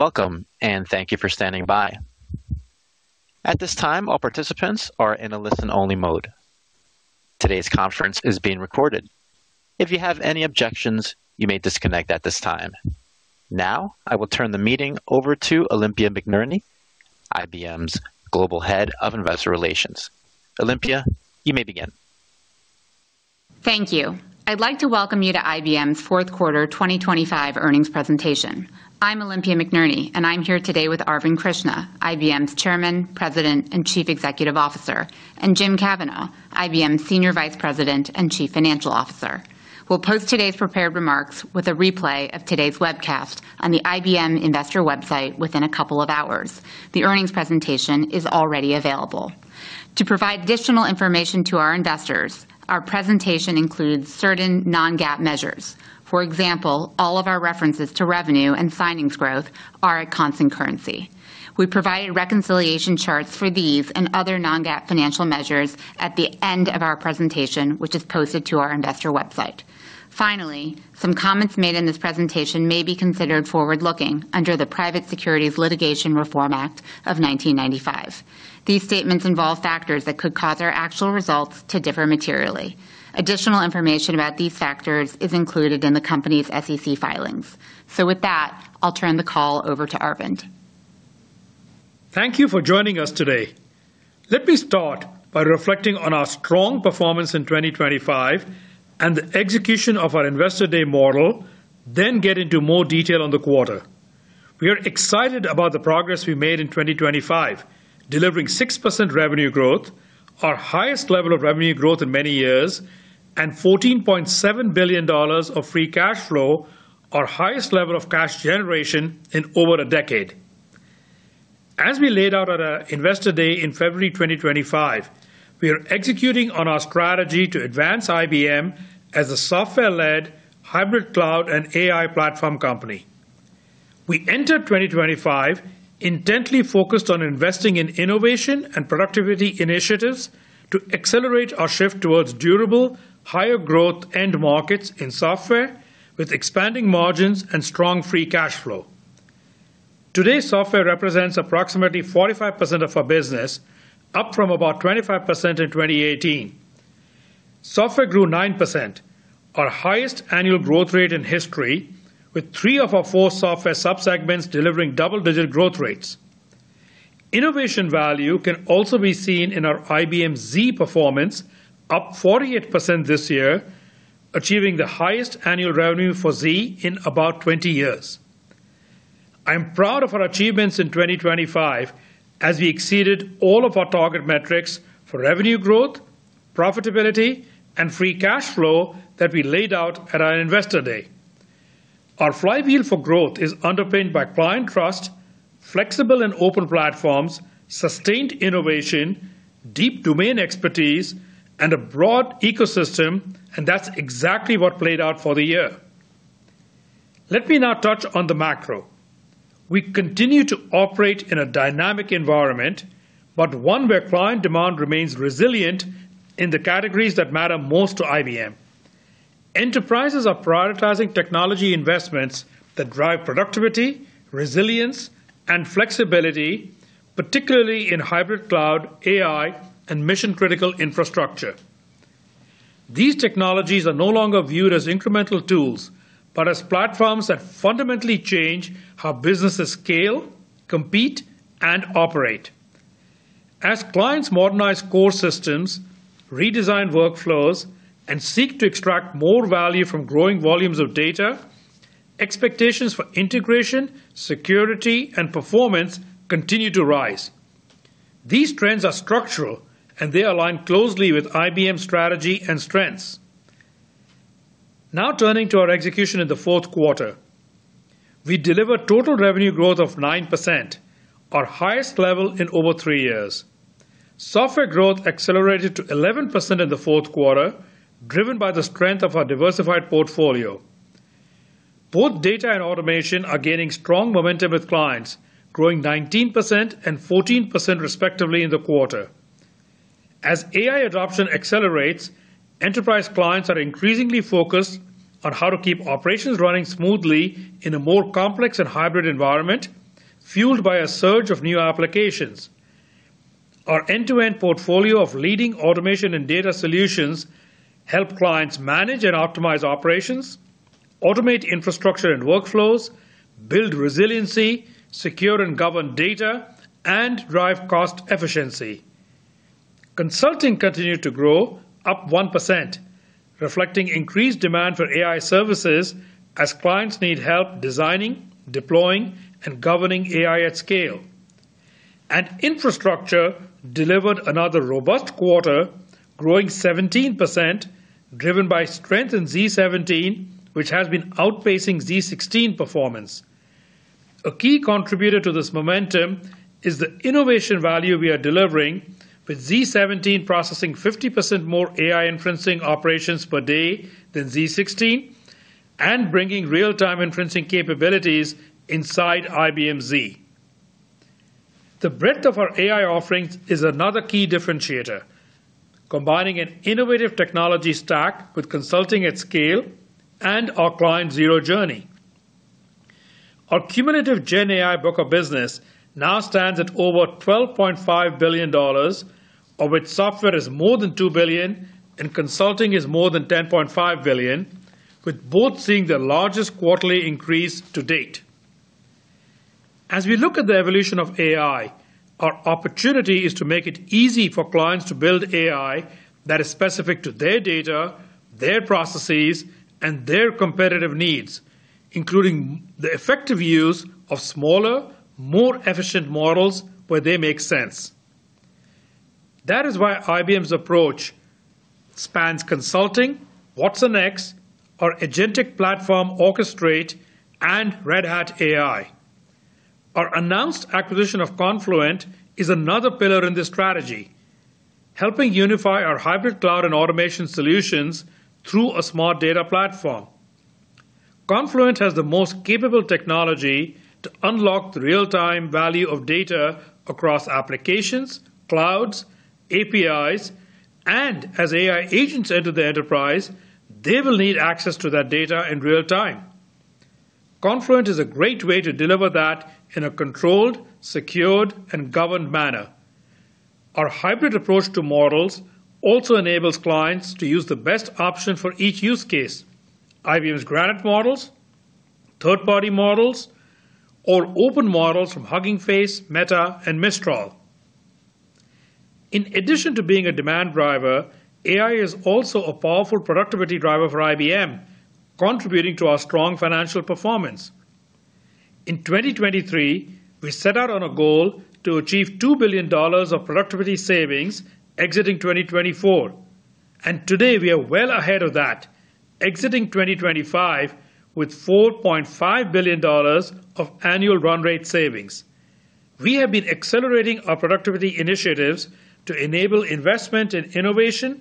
Welcome, and thank you for standing by. At this time, all participants are in a listen-only mode. Today's conference is being recorded. If you have any objections, you may disconnect at this time. Now, I will turn the meeting over to Olympia McNerney, IBM's Global Head of Investor Relations. Olympia, you may begin. Thank you. I'd like to welcome you to IBM's fourth quarter 2025 earnings presentation. I'm Olympia McNerney, and I'm here today with Arvind Krishna, IBM's Chairman, President, and Chief Executive Officer, and Jim Kavanaugh, IBM's Senior Vice President and Chief Financial Officer. We'll post today's prepared remarks with a replay of today's webcast on the IBM Investor website within a couple of hours. The earnings presentation is already available. To provide additional information to our investors, our presentation includes certain non-GAAP measures. For example, all of our references to revenue and signings growth are at constant currency. We provided reconciliation charts for these and other non-GAAP financial measures at the end of our presentation, which is posted to our investor website. Finally, some comments made in this presentation may be considered forward-looking under the Private Securities Litigation Reform Act of 1995. These statements involve factors that could cause our actual results to differ materially. Additional information about these factors is included in the company's SEC filings. With that, I'll turn the call over to Arvind. Thank you for joining us today. Let me start by reflecting on our strong performance in 2025 and the execution of our Investor Day model, then get into more detail on the quarter. We are excited about the progress we made in 2025, delivering 6% revenue growth, our highest level of revenue growth in many years, and $14.7 billion of free cash flow, our highest level of cash generation in over a decade. As we laid out at our Investor Day in February 2025, we are executing on our strategy to advance IBM as a Software-led hybrid cloud and AI platform company. We entered 2025 intently focused on investing in innovation and productivity initiatives to accelerate our shift towards durable, higher growth end markets in Software, with expanding margins and strong free cash flow. Today, Software represents approximately 45% of our business, up from about 25% in 2018. Software grew 9%, our highest annual growth rate in history, with 3 of our 4 Software sub-segments delivering double-digit growth rates. Innovation value can also be seen in our IBM Z performance, up 48% this year, achieving the highest annual revenue for Z in about 20 years. I am proud of our achievements in 2025, as we exceeded all of our target metrics for revenue growth, profitability, and free cash flow that we laid out at our Investor Day. Our flywheel for growth is underpinned by client trust, flexible and open platforms, sustained innovation, deep domain expertise, and a broad ecosystem, and that's exactly what played out for the year. Let me now touch on the macro. We continue to operate in a dynamic environment, but one where client demand remains resilient in the categories that matter most to IBM. Enterprises are prioritizing technology investments that drive productivity, resilience, and flexibility, particularly in hybrid cloud, AI, and mission-critical Infrastructure. These technologies are no longer viewed as incremental tools, but as platforms that fundamentally change how businesses scale, compete, and operate. As clients modernize core systems, redesign workflows, and seek to extract more value from growing volumes of data, expectations for integration, security, and performance continue to rise. These trends are structural, and they align closely with IBM's strategy and strengths. Now, turning to our execution in the fourth quarter. We delivered total revenue growth of 9%, our highest level in over three years. Software growth accelerated to 11% in the fourth quarter, driven by the strength of our diversified portfolio. Both data and Automation are gaining strong momentum, with clients growing 19% and 14% respectively in the quarter. As AI adoption accelerates, enterprise clients are increasingly focused on how to keep operations running smoothly in a more complex and hybrid environment, fueled by a surge of new applications. Our end-to-end portfolio of leading Automation and data solutions help clients manage and optimize operations, automate Infrastructure and workflows, build resiliency, secure and govern data, and drive cost efficiency. Consulting continued to grow up 1%, reflecting increased demand for AI services as clients need help designing, deploying, and governing AI at scale. Infrastructure delivered another robust quarter, growing 17%, driven by strength in z17, which has been outpacing z16 performance. A key contributor to this momentum is the innovation value we are delivering, with z17 processing 50% more AI inferencing operations per day than z16 and bringing real-time inferencing capabilities inside IBM Z. The breadth of our AI offerings is another key differentiator, combining an innovative technology stack with Consulting at scale and our Client Zero journey. Our cumulative GenAI book of business now stands at over $12.5 billion, of which software is more than $2 billion, and Consulting is more than $10.5 billion, with both seeing the largest quarterly increase to date. As we look at the evolution of AI, our opportunity is to make it easy for clients to build AI that is specific to their data, their processes, and their competitive needs, including the effective use of smaller, more efficient models where they make sense. That is why IBM's approach spans Consulting, watsonx, our agentic platform, Orchestrate, and Red Hat AI. Our announced acquisition of Confluent is another pillar in this strategy, helping unify our hybrid cloud and automation solutions through a smart data platform. Confluent has the most capable technology to unlock the real-time value of data across applications, clouds, APIs, and as AI agents enter the enterprise, they will need access to that data in real time. Confluent is a great way to deliver that in a controlled, secured, and governed manner. Our hybrid approach to models also enables clients to use the best option for each use case: IBM's Granite models, third-party models, or open models from Hugging Face, Meta, and Mistral. In addition to being a demand driver, AI is also a powerful productivity driver for IBM, contributing to our strong financial performance. In 2023, we set out on a goal to achieve $2 billion of productivity savings exiting 2024, and today, we are well ahead of that, exiting 2025 with $4.5 billion of annual run rate savings. We have been accelerating our productivity initiatives to enable investment in innovation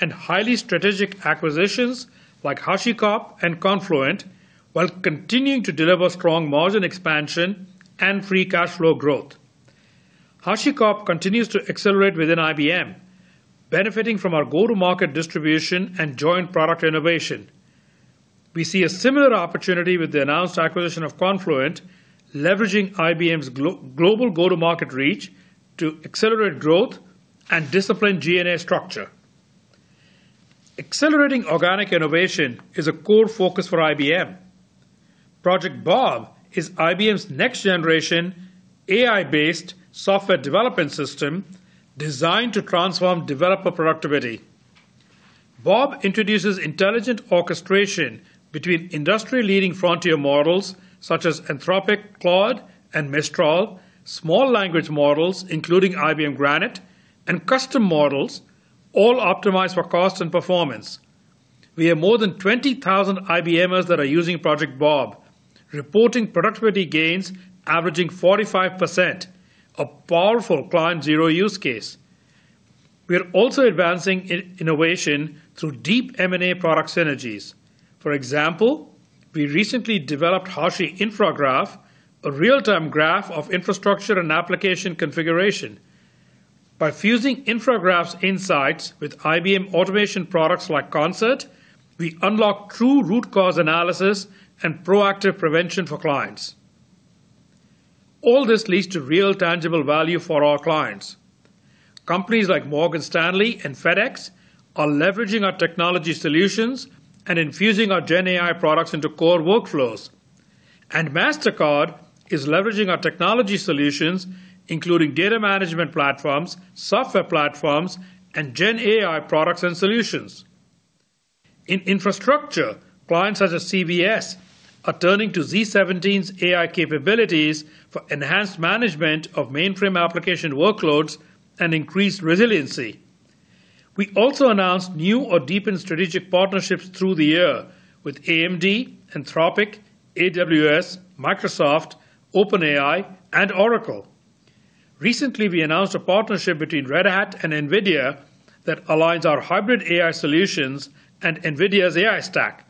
and highly strategic acquisitions like HashiCorp and Confluent, while continuing to deliver strong margin expansion and free cash flow growth. HashiCorp continues to accelerate within IBM, benefiting from our go-to-market distribution and joint product innovation. We see a similar opportunity with the announced acquisition of Confluent, leveraging IBM's global go-to-market reach to accelerate growth and disciplined G&A structure. Accelerating organic innovation is a core focus for IBM. Project Bob is IBM's next-generation, AI-based software development system designed to transform developer productivity. Bob introduces intelligent orchestration between industry-leading frontier models such as Anthropic, Claude, and Mistral, small language models, including IBM Granite, and custom models, all optimized for cost and performance. We have more than 20,000 IBMers that are using Project Bob, reporting productivity gains averaging 45%, a powerful client zero use case. We are also advancing innovation through deep M&A product synergies. For example, we recently developed HashiCorp Infragraph, a real-time graph of infrastructure and application configuration. By fusing Infragraph's insights with IBM automation products like Concert, we unlock true root cause analysis and proactive prevention for clients. All this leads to real, tangible value for our clients. Companies like Morgan Stanley and FedEx are leveraging our technology solutions and infusing our GenAI products into core workflows. Mastercard is leveraging our technology solutions, including data management platforms, software platforms, and GenAI products and solutions. In infrastructure, clients such as CVS are turning to z17's AI capabilities for enhanced management of mainframe application workloads and increased resiliency. We also announced new or deepened strategic partnerships through the year with AMD, Anthropic, AWS, Microsoft, OpenAI, and Oracle. Recently, we announced a partnership between Red Hat and NVIDIA that aligns our hybrid AI solutions and NVIDIA's AI stack.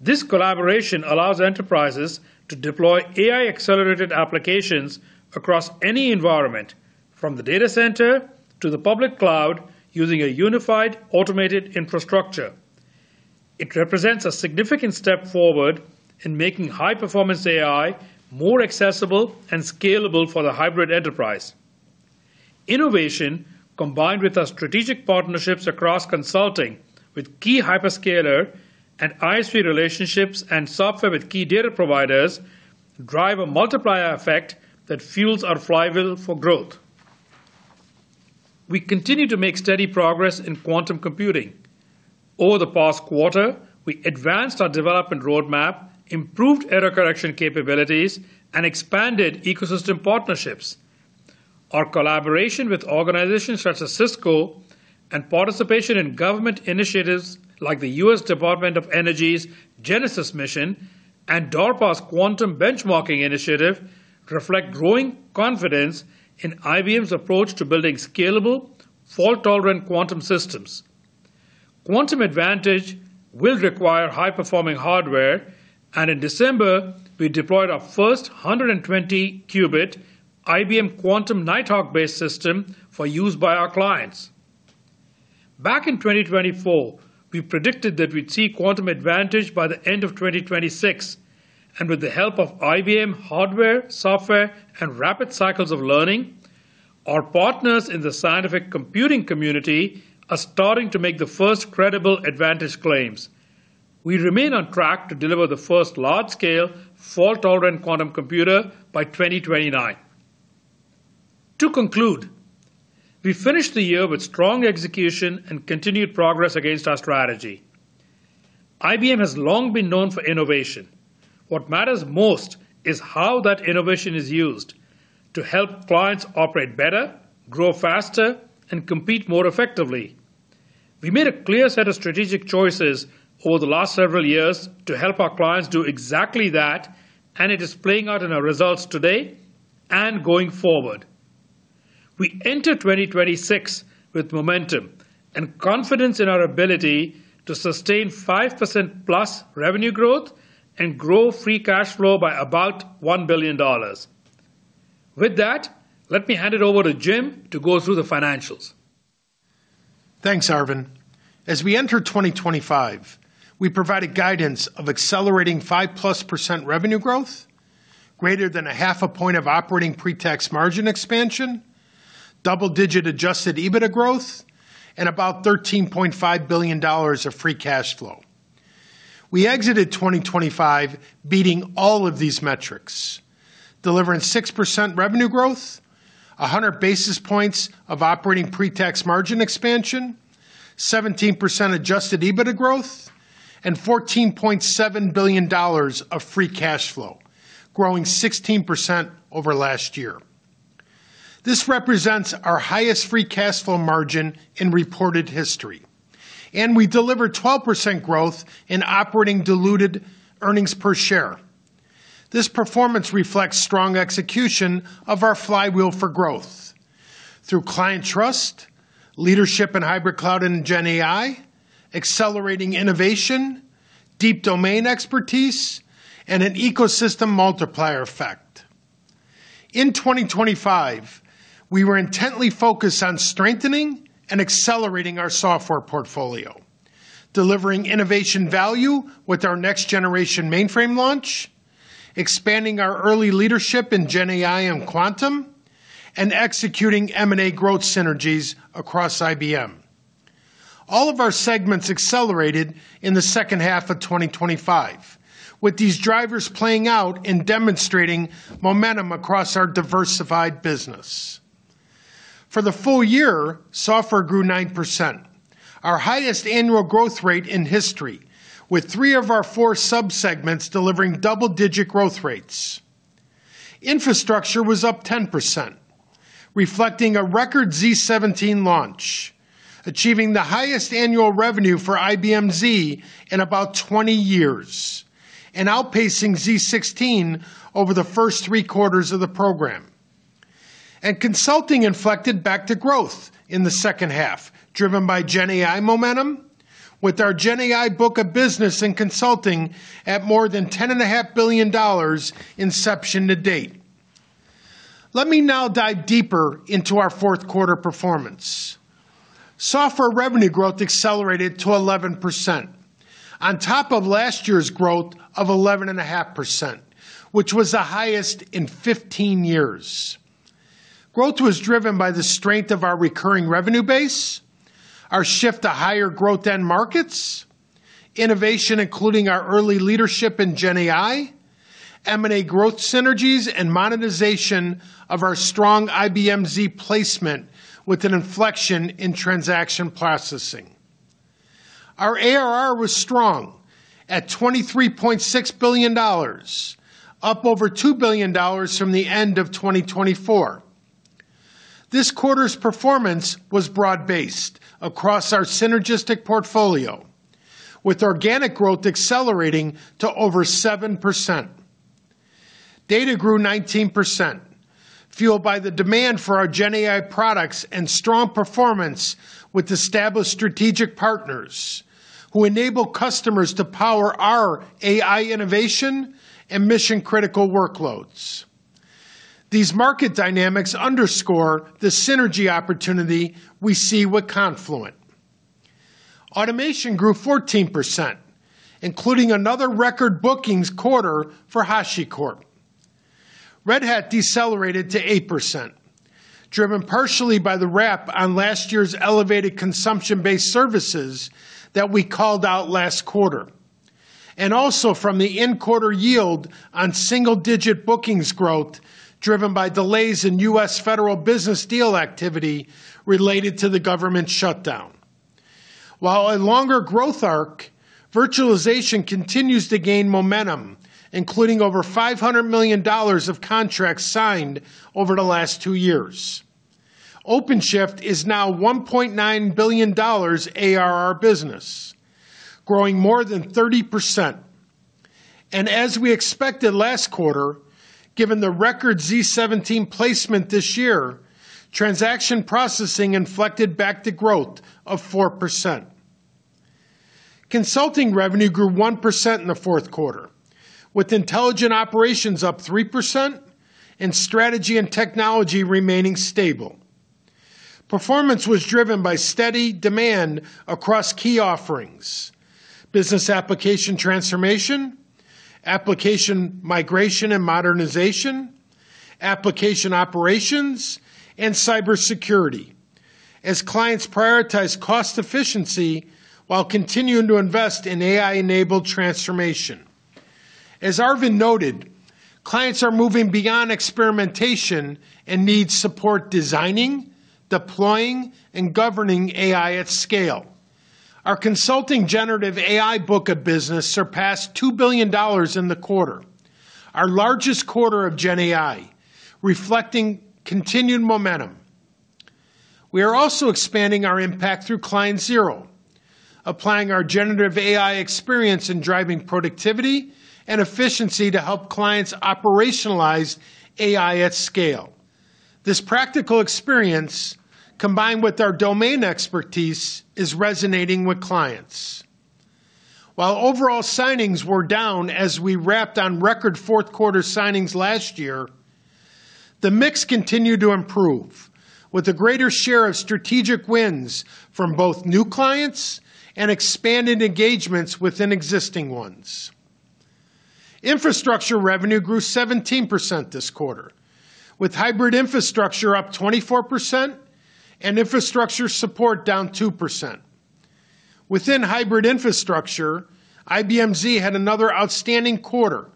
This collaboration allows enterprises to deploy AI-accelerated applications across any environment, from the data center to the public cloud, using a unified automated infrastructure. It represents a significant step forward in making high-performance AI more accessible and scalable for the hybrid enterprise. Innovation, combined with our strategic partnerships across consulting with key hyperscaler and ISV relationships and software with key data providers, drive a multiplier effect that fuels our flywheel for growth. We continue to make steady progress in quantum computing. Over the past quarter, we advanced our development roadmap, improved error correction capabilities, and expanded ecosystem partnerships. Our collaboration with organizations such as Cisco and participation in government initiatives like the U.S. Department of Energy's Genesis Mission and DARPA's Quantum Benchmarking Initiative reflect growing confidence in IBM's approach to building scalable, fault-tolerant quantum systems... Quantum advantage will require high-performing hardware, and in December, we deployed our first 120-qubit IBM Quantum Nighthawk-based system for use by our clients. Back in 2024, we predicted that we'd see quantum advantage by the end of 2026, and with the help of IBM hardware, software, and rapid cycles of learning, our partners in the scientific computing community are starting to make the first credible advantage claims. We remain on track to deliver the first large-scale, fault-tolerant quantum computer by 2029. To conclude, we finished the year with strong execution and continued progress against our strategy. IBM has long been known for innovation. What matters most is how that innovation is used to help clients operate better, grow faster, and compete more effectively. We made a clear set of strategic choices over the last several years to help our clients do exactly that, and it is playing out in our results today and going forward. We enter 2026 with momentum and confidence in our ability to sustain 5%+ revenue growth and grow free cash flow by about $1 billion. With that, let me hand it over to Jim to go through the financials. Thanks, Arvind. As we enter 2025, we provided guidance of accelerating 5%+ revenue growth, greater than 0.5 point of operating pre-tax margin expansion, double-digit Adjusted EBITDA growth, and about $13.5 billion of free cash flow. We exited 2025 beating all of these metrics, delivering 6% revenue growth, 100 basis points of operating pre-tax margin expansion, 17% Adjusted EBITDA growth, and $14.7 billion of free cash flow, growing 16% over last year. This represents our highest free cash flow margin in reported history, and we delivered 12% growth in operating diluted earnings per share. This performance reflects strong execution of our flywheel for growth through client trust, leadership in hybrid cloud and GenAI, accelerating innovation, deep domain expertise, and an ecosystem multiplier effect. In 2025, we were intently focused on strengthening and accelerating our software portfolio, delivering innovation value with our next-generation mainframe launch, expanding our early leadership in GenAI and quantum, and executing M&A growth synergies across IBM. All of our segments accelerated in the second half of 2025, with these drivers playing out and demonstrating momentum across our diversified business. For the full year, software grew 9%, our highest annual growth rate in history, with 3 of our 4 subsegments delivering double-digit growth rates. Infrastructure was up 10%, reflecting a record z17 launch, achieving the highest annual revenue for IBM Z in about 20 years and outpacing z16 over the first 3 quarters of the program. Consulting inflected back to growth in the second half, driven by GenAI momentum, with our GenAI book of business and consulting at more than $10.5 billion inception to date. Let me now dive deeper into our fourth quarter performance. Software revenue growth accelerated to 11% on top of last year's growth of 11.5%, which was the highest in 15 years. Growth was driven by the strength of our recurring revenue base, our shift to higher growth end markets, innovation, including our early leadership in GenAI, M&A growth synergies, and monetization of our strong IBM Z placement, with an inflection in Transaction Processing. Our ARR was strong at $23.6 billion, up over $2 billion from the end of 2024. This quarter's performance was broad-based across our synergistic portfolio, with organic growth accelerating to over 7%. Data grew 19%, fueled by the demand for our GenAI products and strong performance with established strategic partners, who enable customers to power our AI innovation and mission-critical workloads. These market dynamics underscore the synergy opportunity we see with Confluent. Automation grew 14%, including another record bookings quarter for HashiCorp. Red Hat decelerated to 8%, driven partially by the wrap on last year's elevated consumption-based services that we called out last quarter, and also from the in-quarter yield on single-digit bookings growth, driven by delays in U.S. federal business deal activity related to the government shutdown. While a longer growth arc, virtualization continues to gain momentum, including over $500 million of contracts signed over the last two years. OpenShift is now $1.9 billion ARR business, growing more than 30%. And as we expected last quarter, given the record z17 placement this year, transaction processing inflected back to growth of 4%. Consulting revenue grew 1% in the fourth quarter, with Intelligent Operations up 3% and Strategy and Technology remaining stable. Performance was driven by steady demand across key offerings: business application transformation, application migration and modernization, application operations, and cybersecurity, as clients prioritize cost efficiency while continuing to invest in AI-enabled transformation. As Arvind noted, clients are moving beyond experimentation and need support designing, deploying, and governing AI at scale. Our consulting generative AI book of business surpassed $2 billion in the quarter, our largest quarter of Gen AI, reflecting continued momentum. We are also expanding our impact through Client Zero, applying our generative AI experience in driving productivity and efficiency to help clients operationalize AI at scale. This practical experience, combined with our domain expertise, is resonating with clients. While overall signings were down as we wrapped on record fourth quarter signings last year, the mix continued to improve, with a greater share of strategic wins from both new clients and expanded engagements within existing ones. Infrastructure revenue grew 17% this quarter, with hybrid infrastructure up 24% and infrastructure support down 2%. Within hybrid infrastructure, IBM Z had another outstanding quarter,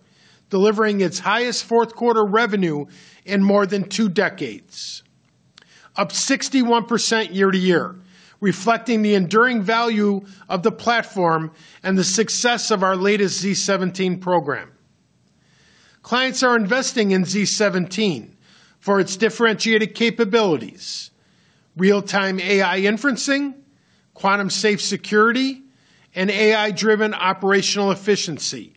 delivering its highest fourth quarter revenue in more than two decades, up 61% year-over-year, reflecting the enduring value of the platform and the success of our latest z17 program. Clients are investing in z17 for its differentiated capabilities, real-time AI inferencing, quantum safe security, and AI-driven operational efficiency,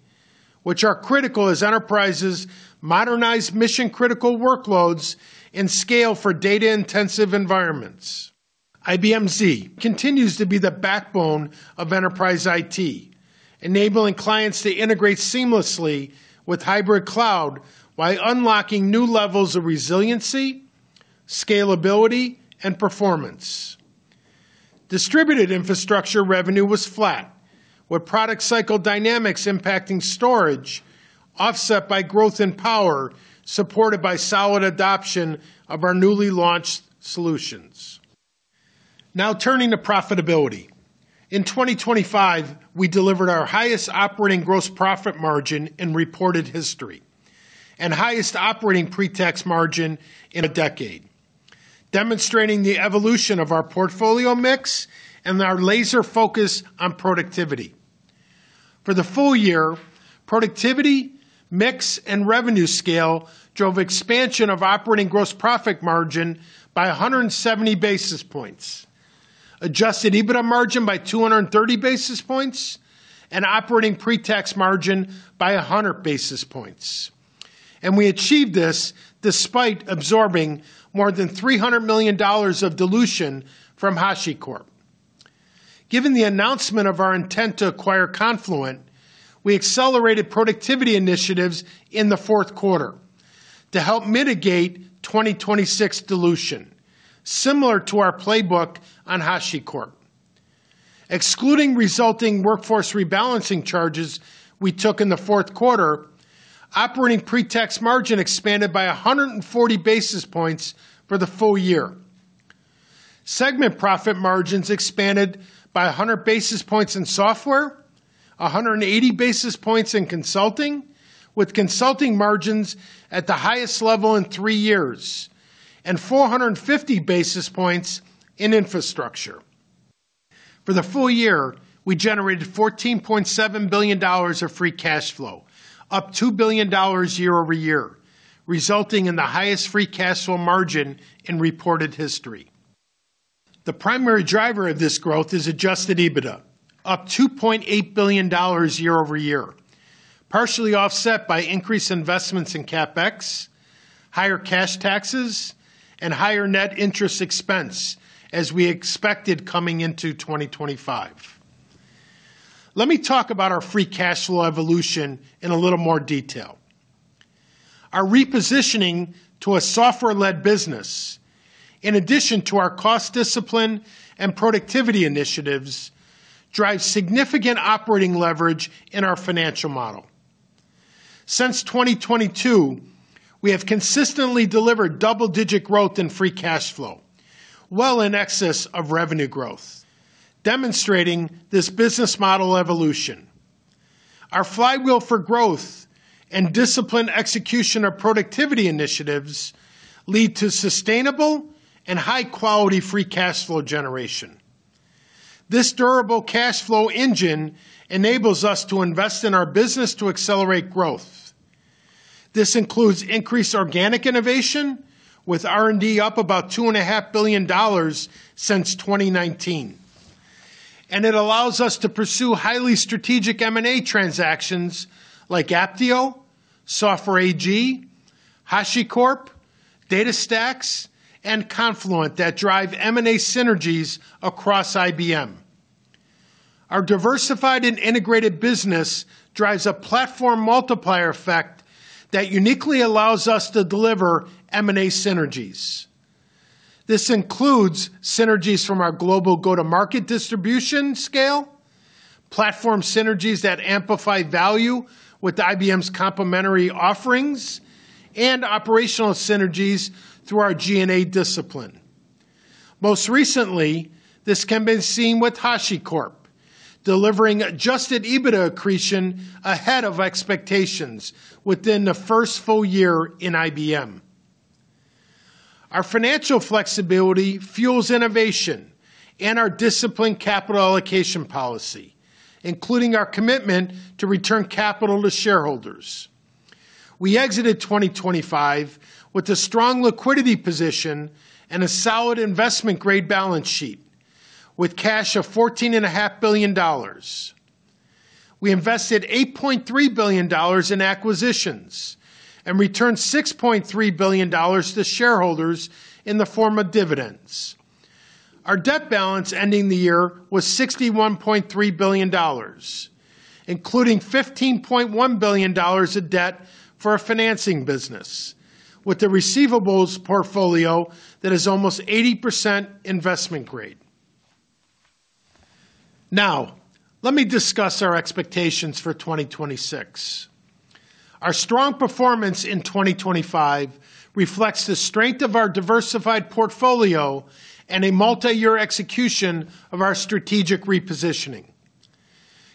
which are critical as enterprises modernize mission-critical workloads and scale for data-intensive environments. IBM Z continues to be the backbone of enterprise IT, enabling clients to integrate seamlessly with hybrid cloud while unlocking new levels of resiliency, scalability, and performance. Distributed infrastructure revenue was flat, with product cycle dynamics impacting storage, offset by growth in power, supported by solid adoption of our newly launched solutions. Now, turning to profitability. In 2025, we delivered our highest operating gross profit margin in reported history and highest operating pre-tax margin in a decade, demonstrating the evolution of our portfolio mix and our laser focus on productivity. For the full year, productivity, mix, and revenue scale drove expansion of operating gross profit margin by 170 basis points, adjusted EBITDA margin by 230 basis points, and operating pre-tax margin by 100 basis points. We achieved this despite absorbing more than $300 million of dilution from HashiCorp. Given the announcement of our intent to acquire Confluent, we accelerated productivity initiatives in the fourth quarter to help mitigate 2026 dilution, similar to our playbook on HashiCorp. Excluding resulting workforce rebalancing charges we took in the fourth quarter, operating pre-tax margin expanded by 140 basis points for the full year. Segment profit margins expanded by 100 basis points in software, 180 basis points in consulting, with consulting margins at the highest level in three years, and 450 basis points in infrastructure. For the full year, we generated $14.7 billion of free cash flow, up $2 billion year-over-year, resulting in the highest free cash flow margin in reported history. The primary driver of this growth is Adjusted EBITDA, up $2.8 billion year-over-year, partially offset by increased investments in CapEx, higher cash taxes, and higher net interest expense, as we expected coming into 2025. Let me talk about our free cash flow evolution in a little more detail. Our repositioning to a software-led business, in addition to our cost discipline and productivity initiatives, drives significant operating leverage in our financial model. Since 2022, we have consistently delivered double-digit growth in free cash flow, well in excess of revenue growth, demonstrating this business model evolution. Our flywheel for growth and disciplined execution of productivity initiatives lead to sustainable and high-quality free cash flow generation. This durable cash flow engine enables us to invest in our business to accelerate growth. This includes increased organic innovation, with R&D up about $2.5 billion since 2019. It allows us to pursue highly strategic M&A transactions like Apptio, Software AG, HashiCorp, DataStax, and Confluent that drive M&A synergies across IBM. Our diversified and integrated business drives a platform multiplier effect that uniquely allows us to deliver M&A synergies. This includes synergies from our global go-to-market distribution scale, platform synergies that amplify value with IBM's complementary offerings, and operational synergies through our G&A discipline. Most recently, this can be seen with HashiCorp, delivering Adjusted EBITDA accretion ahead of expectations within the first full year in IBM. Our financial flexibility fuels innovation and our disciplined capital allocation policy, including our commitment to return capital to shareholders. We exited 2025 with a strong liquidity position and a solid investment-grade balance sheet, with cash of $14.5 billion. We invested $8.3 billion in acquisitions and returned $6.3 billion to shareholders in the form of dividends. Our debt balance ending the year was $61.3 billion, including $15.1 billion of debt for our financing business, with a receivables portfolio that is almost 80% investment grade. Now, let me discuss our expectations for 2026. Our strong performance in 2025 reflects the strength of our diversified portfolio and a multiyear execution of our strategic repositioning.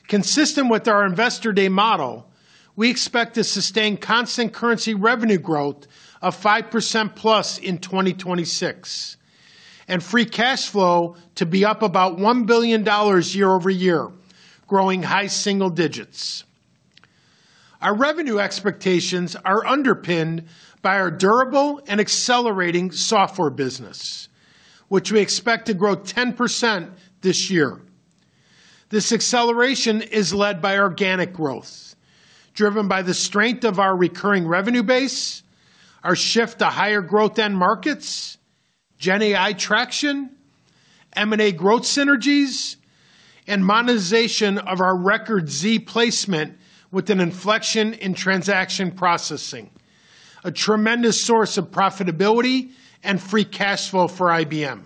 Consistent with our Investor Day model, we expect to sustain constant currency revenue growth of 5%+ in 2026, and free cash flow to be up about $1 billion year-over-year, growing high single digits. Our revenue expectations are underpinned by our durable and accelerating software business, which we expect to grow 10% this year. This acceleration is led by organic growth, driven by the strength of our recurring revenue base, our shift to higher growth end markets, GenAI traction, M&A growth synergies, and monetization of our record Z placement with an inflection in transaction processing, a tremendous source of profitability and free cash flow for IBM.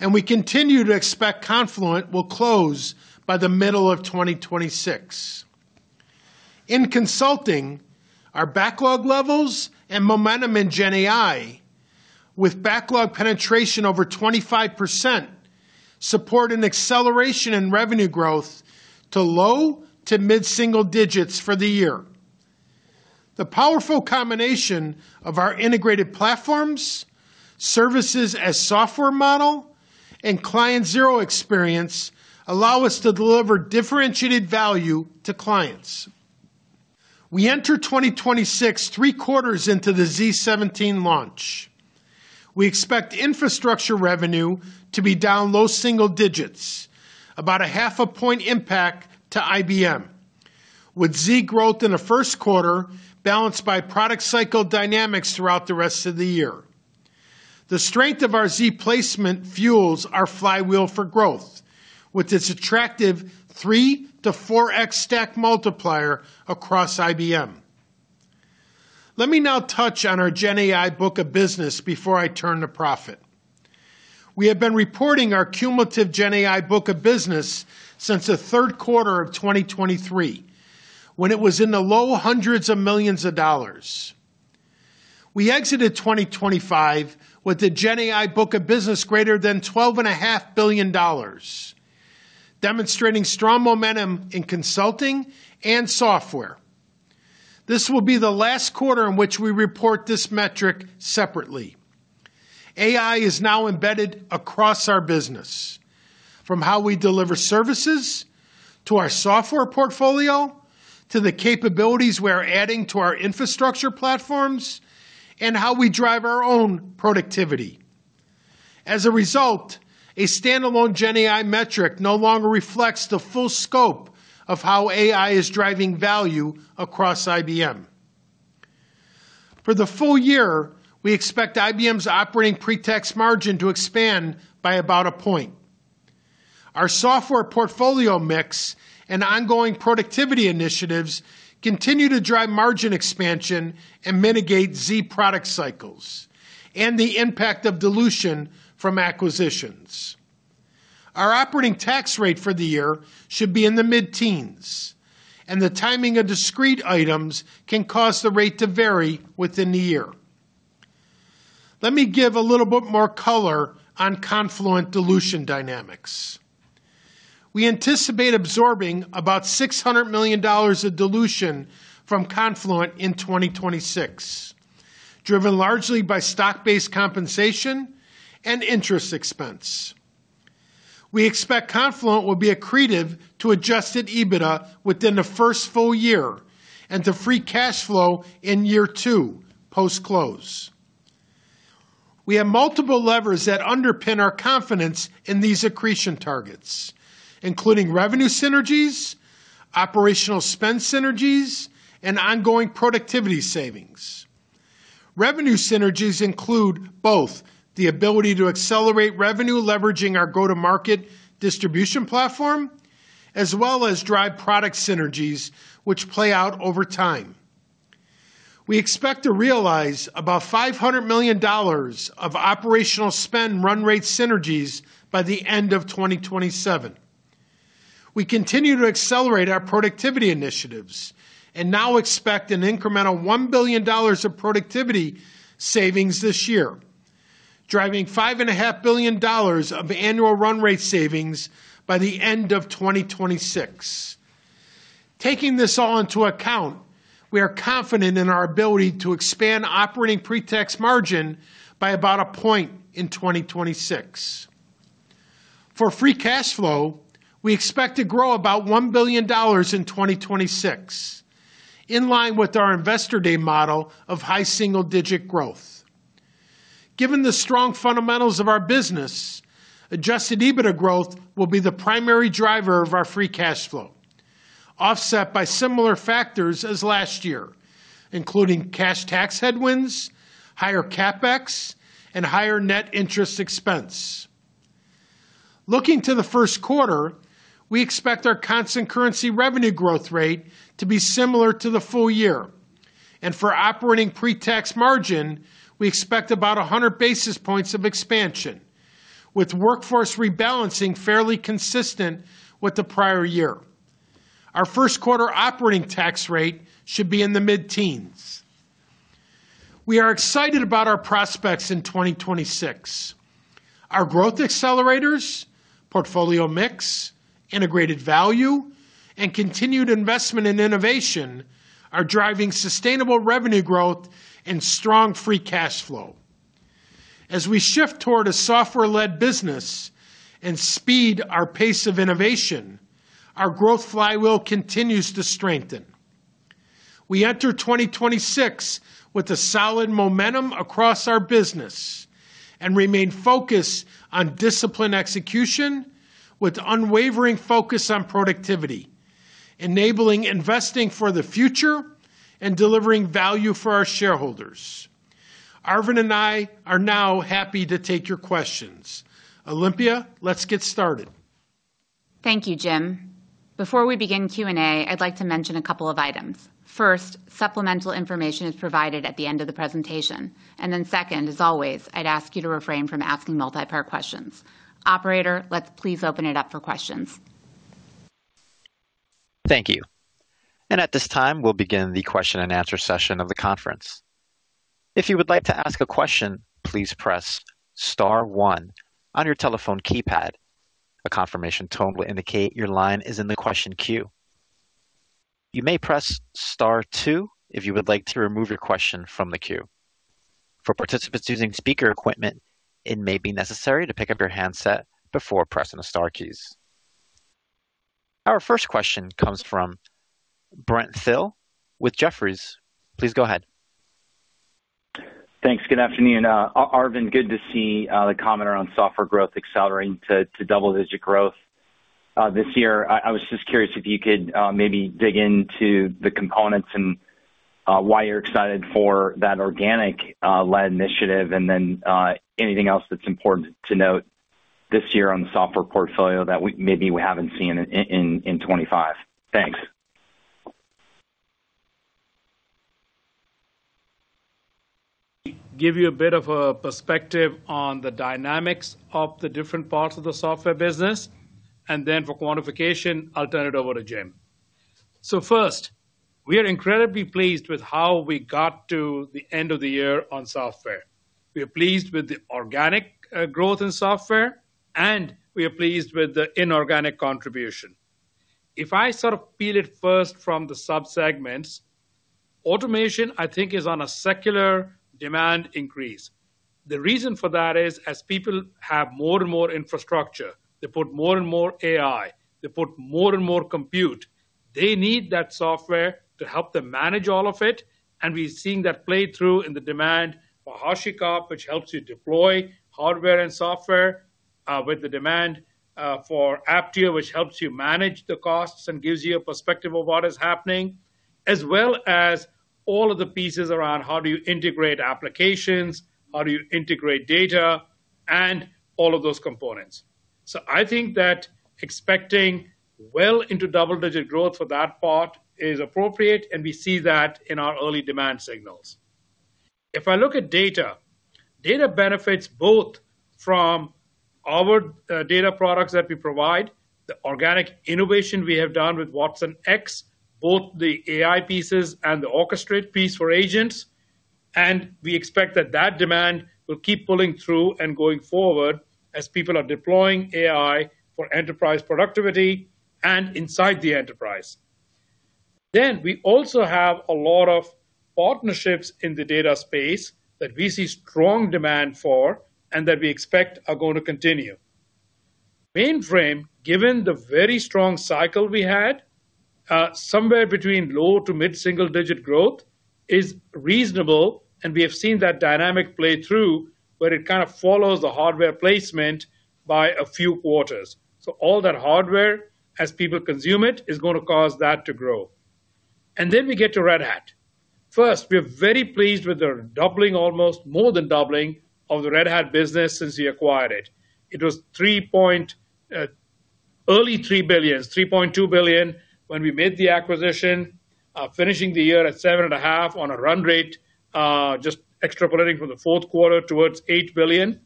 And we continue to expect Confluent will close by the middle of 2026. In consulting, our backlog levels and momentum in GenAI, with backlog penetration over 25%, support an acceleration in revenue growth to low- to mid-single digits for the year. The powerful combination of our integrated platforms, services as software model, and Client Zero experience allow us to deliver differentiated value to clients. We enter 2026 three quarters into the z17 launch. We expect infrastructure revenue to be down low single digits, about a 0.5-point impact to IBM, with Z growth in the first quarter balanced by product cycle dynamics throughout the rest of the year. The strength of our Z placement fuels our flywheel for growth, with its attractive 3- to 4x stack multiplier across IBM. Let me now touch on our GenAI book of business before I turn to profit. We have been reporting our cumulative GenAI book of business since the third quarter of 2023, when it was in the low hundreds of $ million. We exited 2025 with a GenAI book of business greater than $12.5 billion, demonstrating strong momentum in consulting and software. This will be the last quarter in which we report this metric separately. AI is now embedded across our business, from how we deliver services, to our software portfolio, to the capabilities we are adding to our infrastructure platforms, and how we drive our own productivity. As a result, a standalone GenAI metric no longer reflects the full scope of how AI is driving value across IBM. For the full year, we expect IBM's operating pre-tax margin to expand by about 1 point. Our software portfolio mix and ongoing productivity initiatives continue to drive margin expansion and mitigate Z product cycles and the impact of dilution from acquisitions. Our operating tax rate for the year should be in the mid-teens%, and the timing of discrete items can cause the rate to vary within the year. Let me give a little bit more color on Confluent dilution dynamics. We anticipate absorbing about $600 million of dilution from Confluent in 2026, driven largely by stock-based compensation and interest expense. We expect Confluent will be accretive to Adjusted EBITDA within the first full year and to free cash flow in year two post-close. We have multiple levers that underpin our confidence in these accretion targets, including revenue synergies, operational spend synergies, and ongoing productivity savings. Revenue synergies include both the ability to accelerate revenue, leveraging our go-to-market distribution platform, as well as drive product synergies, which play out over time. We expect to realize about $500 million of operational spend run rate synergies by the end of 2027. We continue to accelerate our productivity initiatives and now expect an incremental $1 billion of productivity savings this year, driving $5.5 billion of annual run rate savings by the end of 2026. Taking this all into account, we are confident in our ability to expand operating pre-tax margin by about 1 point in 2026. For free cash flow, we expect to grow about $1 billion in 2026, in line with our Investor Day model of high single-digit growth. Given the strong fundamentals of our business, adjusted EBITDA growth will be the primary driver of our free cash flow, offset by similar factors as last year, including cash tax headwinds, higher CapEx, and higher net interest expense. Looking to the first quarter, we expect our constant currency revenue growth rate to be similar to the full year. For operating pre-tax margin, we expect about 100 basis points of expansion, with workforce rebalancing fairly consistent with the prior year. Our first quarter operating tax rate should be in the mid-teens. We are excited about our prospects in 2026. Our growth accelerators, portfolio mix, integrated value, and continued investment in innovation are driving sustainable revenue growth and strong free cash flow. As we shift toward a software-led business and speed our pace of innovation, our growth flywheel continues to strengthen. We enter 2026 with a solid momentum across our business and remain focused on disciplined execution with unwavering focus on productivity, enabling investing for the future and delivering value for our shareholders. Arvind and I are now happy to take your questions. Olympia, let's get started. Thank you, Jim. Before we begin Q&A, I'd like to mention a couple of items. First, supplemental information is provided at the end of the presentation. Then second, as always, I'd ask you to refrain from asking multi-part questions. Operator, let's please open it up for questions. Thank you. At this time, we'll begin the question and answer session of the conference. If you would like to ask a question, please press star one on your telephone keypad. A confirmation tone will indicate your line is in the question queue. You may press star two if you would like to remove your question from the queue. For participants using speaker equipment, it may be necessary to pick up your handset before pressing the star keys. Our first question comes from Brent Thill with Jefferies. Please go ahead. Thanks. Good afternoon. Arvind, good to see the comment around software growth accelerating to double-digit growth this year. I was just curious if you could maybe dig into the components and why you're excited for that organic lead initiative, and then anything else that's important to note this year on the software portfolio that we maybe haven't seen in 25? Thanks. Give you a bit of a perspective on the dynamics of the different parts of the software business, and then for quantification, I'll turn it over to Jim. So first, we are incredibly pleased with how we got to the end of the year on software. We are pleased with the organic growth in software, and we are pleased with the inorganic contribution. If I sort of peel it first from the subsegments, automation, I think, is on a secular demand increase. The reason for that is, as people have more and more infrastructure, they put more and more AI, they put more and more compute, they need that software to help them manage all of it, and we're seeing that play through in the demand for HashiCorp, which helps you deploy hardware and software, with the demand, for Apptio, which helps you manage the costs and gives you a perspective of what is happening, as well as all of the pieces around how do you integrate applications, how do you integrate data, and all of those components. So I think that expecting well into double-digit growth for that part is appropriate, and we see that in our early demand signals. If I look at data, data benefits both from our data products that we provide, the organic innovation we have done with watsonx, both the AI pieces and the Orchestrate piece for agents, and we expect that that demand will keep pulling through and going forward as people are deploying AI for enterprise productivity and inside the enterprise. Then we also have a lot of partnerships in the data space that we see strong demand for, and that we expect are going to continue. Mainframe, given the very strong cycle we had, somewhere between low to mid-single-digit growth is reasonable, and we have seen that dynamic play through, but it kind of follows the hardware placement by a few quarters. So all that hardware, as people consume it, is going to cause that to grow. And then we get to Red Hat. First, we are very pleased with their doubling, almost more than doubling of the Red Hat business since we acquired it. It was $3 billion early, $3.2 billion when we made the acquisition, finishing the year at $7.5 billion on a run rate, just extrapolating from the fourth quarter towards $8 billion.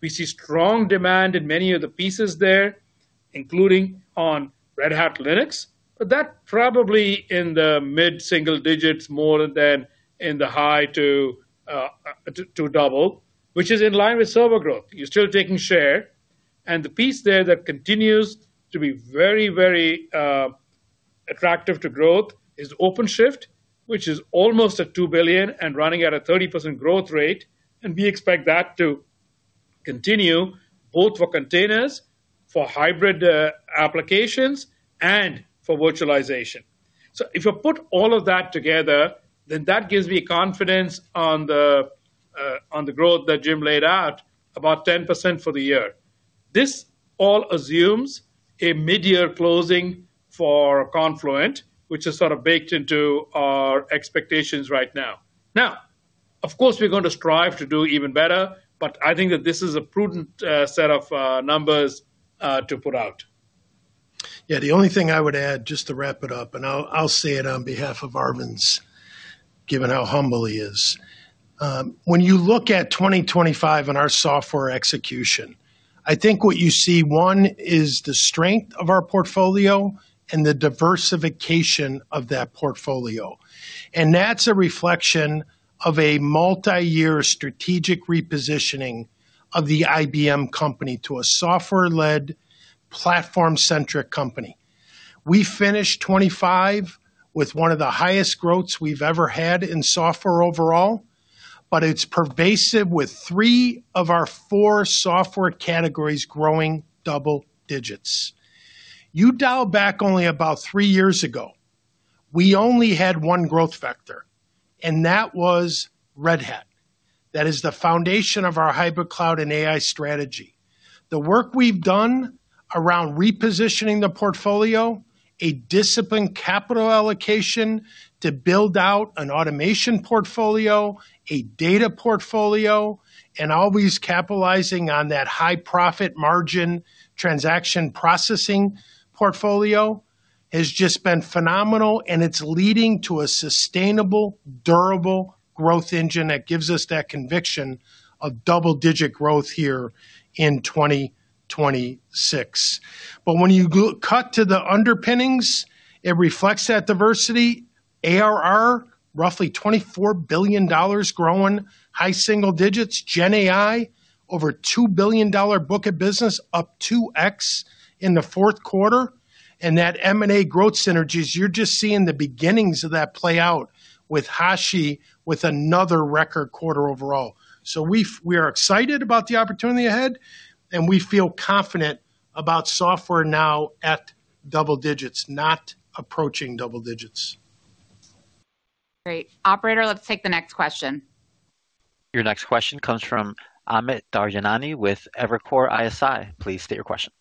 We see strong demand in many of the pieces there, including on Red Hat Linux, but that probably in the mid-single digits, more than in the high-teens to double, which is in line with server growth. You're still taking share, and the piece there that continues to be very, very attractive to growth is OpenShift, which is almost at $2 billion and running at a 30% growth rate. And we expect that to continue both for containers, for hybrid applications, and for virtualization. So if you put all of that together, then that gives me confidence on the growth that Jim laid out, about 10% for the year. This all assumes a mid-year closing for Confluent, which is sort of baked into our expectations right now. Now, of course, we're going to strive to do even better, but I think that this is a prudent set of numbers to put out. Yeah, the only thing I would add, just to wrap it up, and I'll say it on behalf of Arvind, given how humble he is. When you look at 2025 in our software execution, I think what you see, one, is the strength of our portfolio and the diversification of that portfolio. And that's a reflection of a multi-year strategic repositioning of the IBM company to a software-led, platform-centric company. We finished 2025 with one of the highest growths we've ever had in software overall, but it's pervasive, with three of our four software categories growing double digits. You dial back only about three years ago, we only had one growth factor, and that was Red Hat. That is the foundation of our hybrid cloud and AI strategy. The work we've done around repositioning the portfolio, a disciplined capital allocation to build out an automation portfolio, a data portfolio, and always capitalizing on that high profit margin transaction processing portfolio, has just been phenomenal, and it's leading to a sustainable, durable growth engine that gives us that conviction of double-digit growth here in 2026. But when you go, cut to the underpinnings, it reflects that diversity. ARR, roughly $24 billion, growing high single digits. Gen AI, over $2 billion book of business, up 2x in the fourth quarter. And that M&A growth synergies, you're just seeing the beginnings of that play out with Hashi, with another record quarter overall. So we are excited about the opportunity ahead, and we feel confident about software now at double digits, not approaching double digits. Great. Operator, let's take the next question. Your next question comes from Amit Daryanani with Evercore ISI. Please state your question.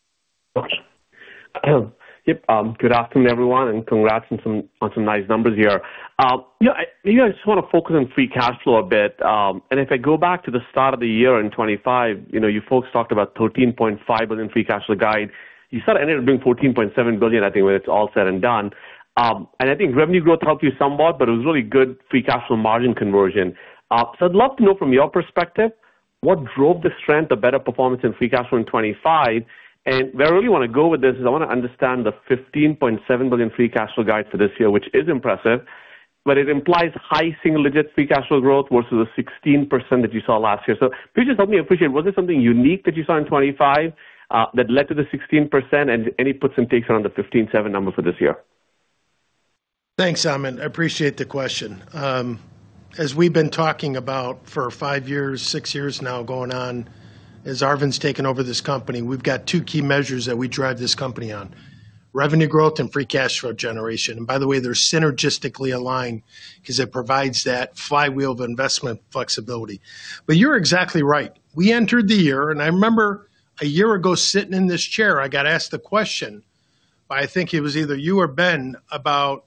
Yep, good afternoon, everyone, and congrats on some nice numbers here. You know, maybe I just want to focus on free cash flow a bit. And if I go back to the start of the year in 2025, you know, you folks talked about $13.5 billion free cash flow guide. You sort of ended up being $14.7 billion, I think, when it's all said and done. And I think revenue growth helped you somewhat, but it was really good free cash flow margin conversion. So I'd love to know from your perspective, what drove the strength of better performance in free cash flow in 2025? Where I really want to go with this is I want to understand the $15.7 billion free cash flow guide for this year, which is impressive, but it implies high single-digit free cash flow growth versus the 16% that you saw last year. Please just help me appreciate, was it something unique that you saw in 2025 that led to the 16%, and any puts and takes around the $15.7 number for this year? Thanks, Amit. I appreciate the question. As we've been talking about for 5 years, 6 years now, going on, as Arvind's taken over this company, we've got 2 key measures that we drive this company on: revenue growth and free cash flow generation. And by the way, they're synergistically aligned because it provides that flywheel of investment flexibility. But you're exactly right. We entered the year, and I remember a year ago, sitting in this chair, I got asked a question by, I think it was either you or Ben, about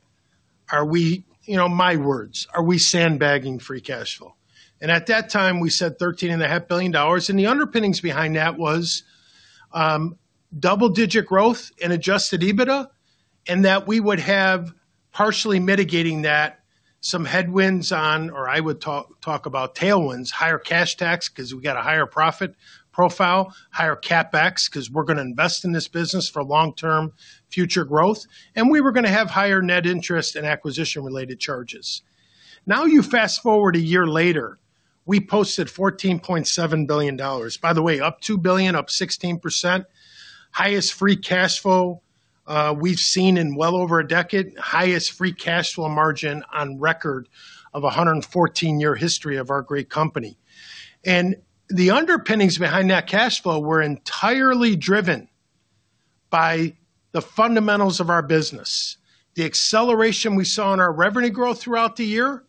are we—you know, my words, "Are we sandbagging free cash flow?" And at that time, we said $13.5 billion, and the underpinnings behind that was, double-digit growth and adjusted EBITDA, and that we would have, partially mitigating that, some headwinds on, or I would talk, talk about tailwinds, higher cash tax, because we got a higher profit profile, higher CapEx, because we're going to invest in this business for long-term future growth, and we were going to have higher net interest and acquisition-related charges. Now, you fast-forward a year later... we posted $14.7 billion. By the way, up $2 billion, up 16%. Highest free cash flow we've seen in well over a decade. Highest free cash flow margin on record of a 114-year history of our great company. And the underpinnings behind that cash flow were entirely driven by the fundamentals of our business, the acceleration we saw in our revenue growth throughout the year,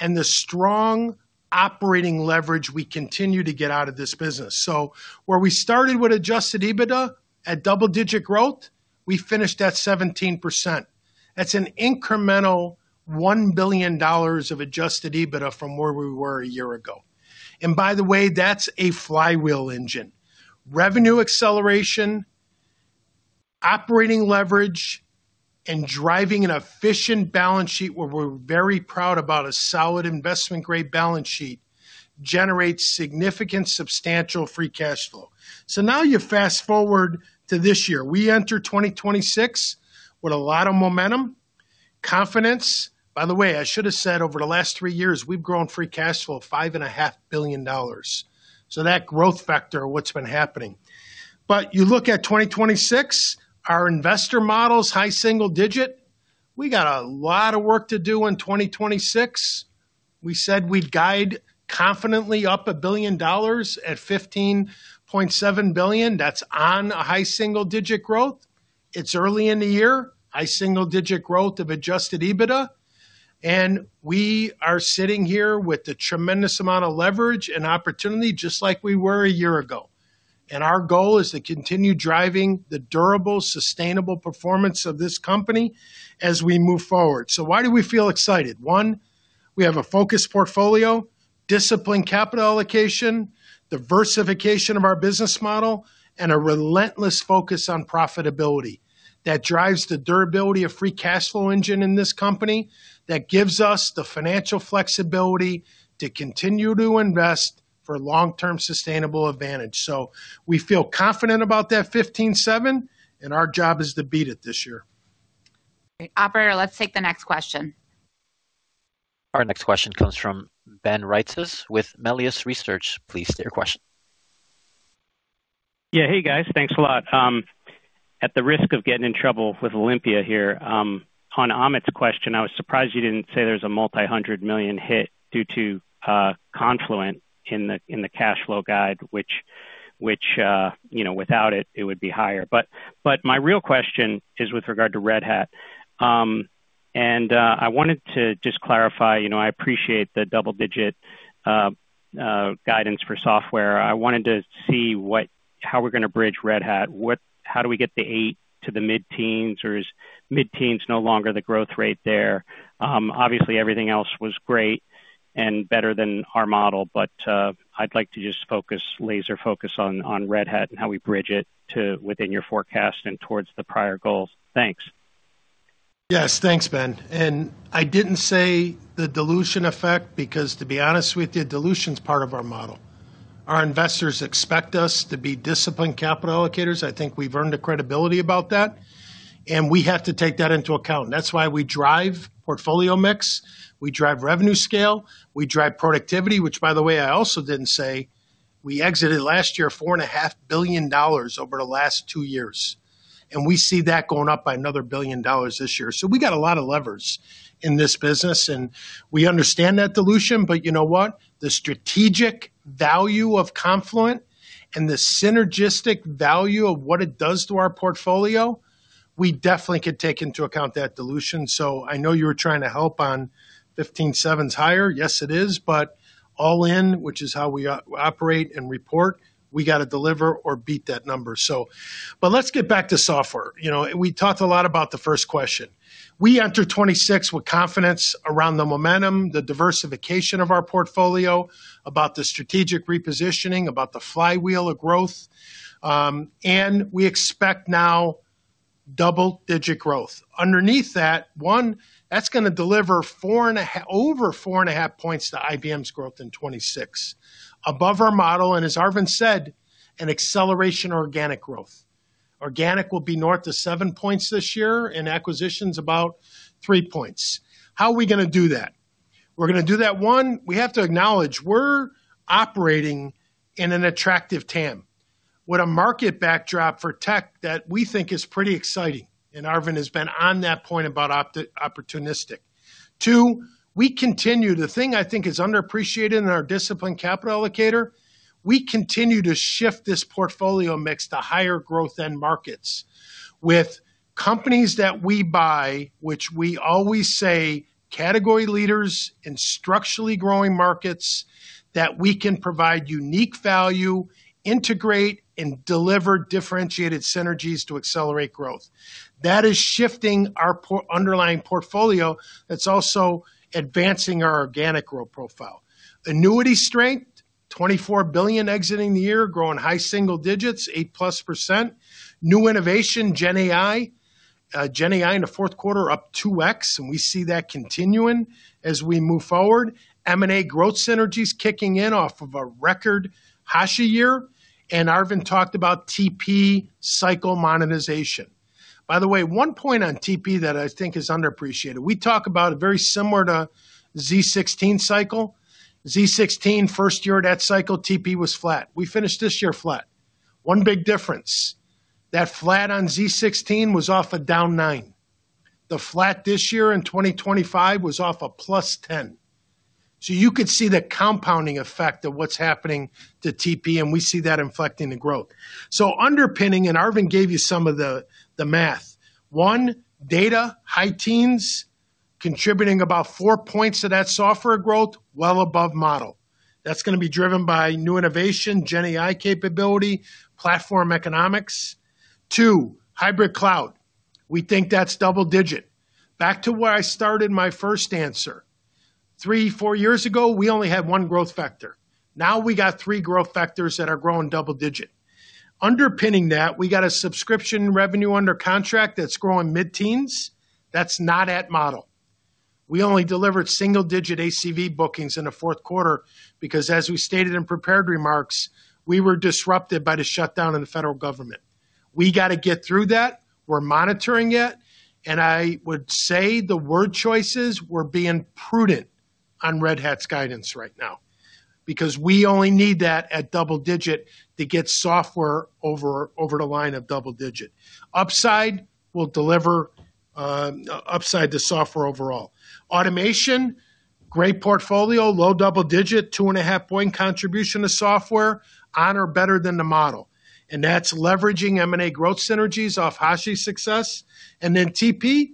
and the strong operating leverage we continue to get out of this business. So where we started with adjusted EBITDA at double-digit growth, we finished at 17%. That's an incremental $1 billion of adjusted EBITDA from where we were a year ago. And by the way, that's a flywheel engine. Revenue acceleration, operating leverage, and driving an efficient balance sheet, where we're very proud about a solid investment-grade balance sheet, generates significant, substantial free cash flow. So now you fast-forward to this year. We enter 2026 with a lot of momentum, confidence. By the way, I should have said over the last 3 years, we've grown free cash flow $5.5 billion. So that growth factor, what's been happening. But you look at 2026, our investor model's high single-digit. We got a lot of work to do in 2026. We said we'd guide confidently up $1 billion at $15.7 billion. That's on a high single-digit growth. It's early in the year, high single-digit growth of adjusted EBITDA, and we are sitting here with a tremendous amount of leverage and opportunity, just like we were a year ago, and our goal is to continue driving the durable, sustainable performance of this company as we move forward. So why do we feel excited? One, we have a focused portfolio, disciplined capital allocation, diversification of our business model, and a relentless focus on profitability that drives the durability of free cash flow engine in this company. That gives us the financial flexibility to continue to invest for long-term sustainable advantage. So we feel confident about that $15.7, and our job is to beat it this year. Great. Operator, let's take the next question. Our next question comes from Ben Reitzes with Melius Research. Please state your question. Yeah. Hey, guys, thanks a lot. At the risk of getting in trouble with Olympia here, on Amit's question, I was surprised you didn't say there's a $multi-hundred million hit due to Confluent in the cash flow guide, which you know, without it, it would be higher. But my real question is with regard to Red Hat. And I wanted to just clarify, you know, I appreciate the double-digit guidance for software. I wanted to see what- how we're gonna bridge Red Hat. What- how do we get the 8 to the mid-teens, or is mid-teens no longer the growth rate there? Obviously, everything else was great and better than our model, but, I'd like to just focus, laser focus on, on Red Hat and how we bridge it to within your forecast and towards the prior goals. Thanks. Yes, thanks, Ben. I didn't say the dilution effect because, to be honest with you, dilution is part of our model. Our investors expect us to be disciplined capital allocators. I think we've earned the credibility about that, and we have to take that into account. That's why we drive portfolio mix, we drive revenue scale, we drive productivity, which, by the way, I also didn't say we exited last year $4.5 billion over the last two years, and we see that going up by another $1 billion this year. So we got a lot of levers in this business, and we understand that dilution, but you know what? The strategic value of Confluent and the synergistic value of what it does to our portfolio, we definitely could take into account that dilution. So I know you were trying to help on z17s higher. Yes, it is, but all in, which is how we operate and report, we got to deliver or beat that number, so. But let's get back to software. You know, we talked a lot about the first question. We enter 2026 with confidence around the momentum, the diversification of our portfolio, about the strategic repositioning, about the flywheel of growth, and we expect now double-digit growth. Underneath that, one, that's gonna deliver 4.5... over 4.5 points to IBM's growth in 2026. Above our model, and as Arvind said, an acceleration organic growth. Organic will be north of 7 points this year, and acquisitions about 3 points. How are we gonna do that? We're gonna do that. One, we have to acknowledge we're operating in an attractive TAM, with a market backdrop for tech that we think is pretty exciting, and Arvind has been on that point about opportunistic. Two, we continue. The thing I think is underappreciated in our discipline capital allocator, we continue to shift this portfolio mix to higher growth end markets. With companies that we buy, which we always say, category leaders and structurally growing markets, that we can provide unique value, integrate, and deliver differentiated synergies to accelerate growth. That is shifting our underlying portfolio. That's also advancing our organic growth profile. Annuity strength, $24 billion exiting the year, growing high single digits, 8%+. New innovation, GenAI. GenAI in the fourth quarter up 2x, and we see that continuing as we move forward. M&A growth synergies kicking in off of a record HashiCorp year, and Arvind talked about TP cycle monetization. By the way, one point on TP that I think is underappreciated. We talk about it very similar to z16 cycle. z16, first year of that cycle, TP was flat. We finished this year flat. One big difference, that flat on z16 was off a down 9. The flat this year in 2025 was off a +10. So you could see the compounding effect of what's happening to TP, and we see that inflecting the growth. So underpinning, and Arvind gave you some of the, the math. One, data, high teens, contributing about 4 points to that software growth, well above model. That's going to be driven by new innovation, GenAI capability, platform economics. Two, hybrid cloud. We think that's double digit. Back to where I started my first answer, 3 or 4 years ago, we only had 1 growth factor. Now we got 3 growth factors that are growing double-digit. Underpinning that, we got a subscription revenue under contract that's growing mid-teens. That's not at model. We only delivered single-digit ACV bookings in the fourth quarter because, as we stated in prepared remarks, we were disrupted by the shutdown in the federal government. We got to get through that. We're monitoring it, and I would say the word choices were being prudent on Red Hat's guidance right now, because we only need that at double-digit to get software over, over the line of double-digit. Upside will deliver, upside to software overall. Automation, great portfolio, low double-digit, 2.5-point contribution to software, on or better than the model. That's leveraging M&A growth synergies off Hashi's success. Then TP,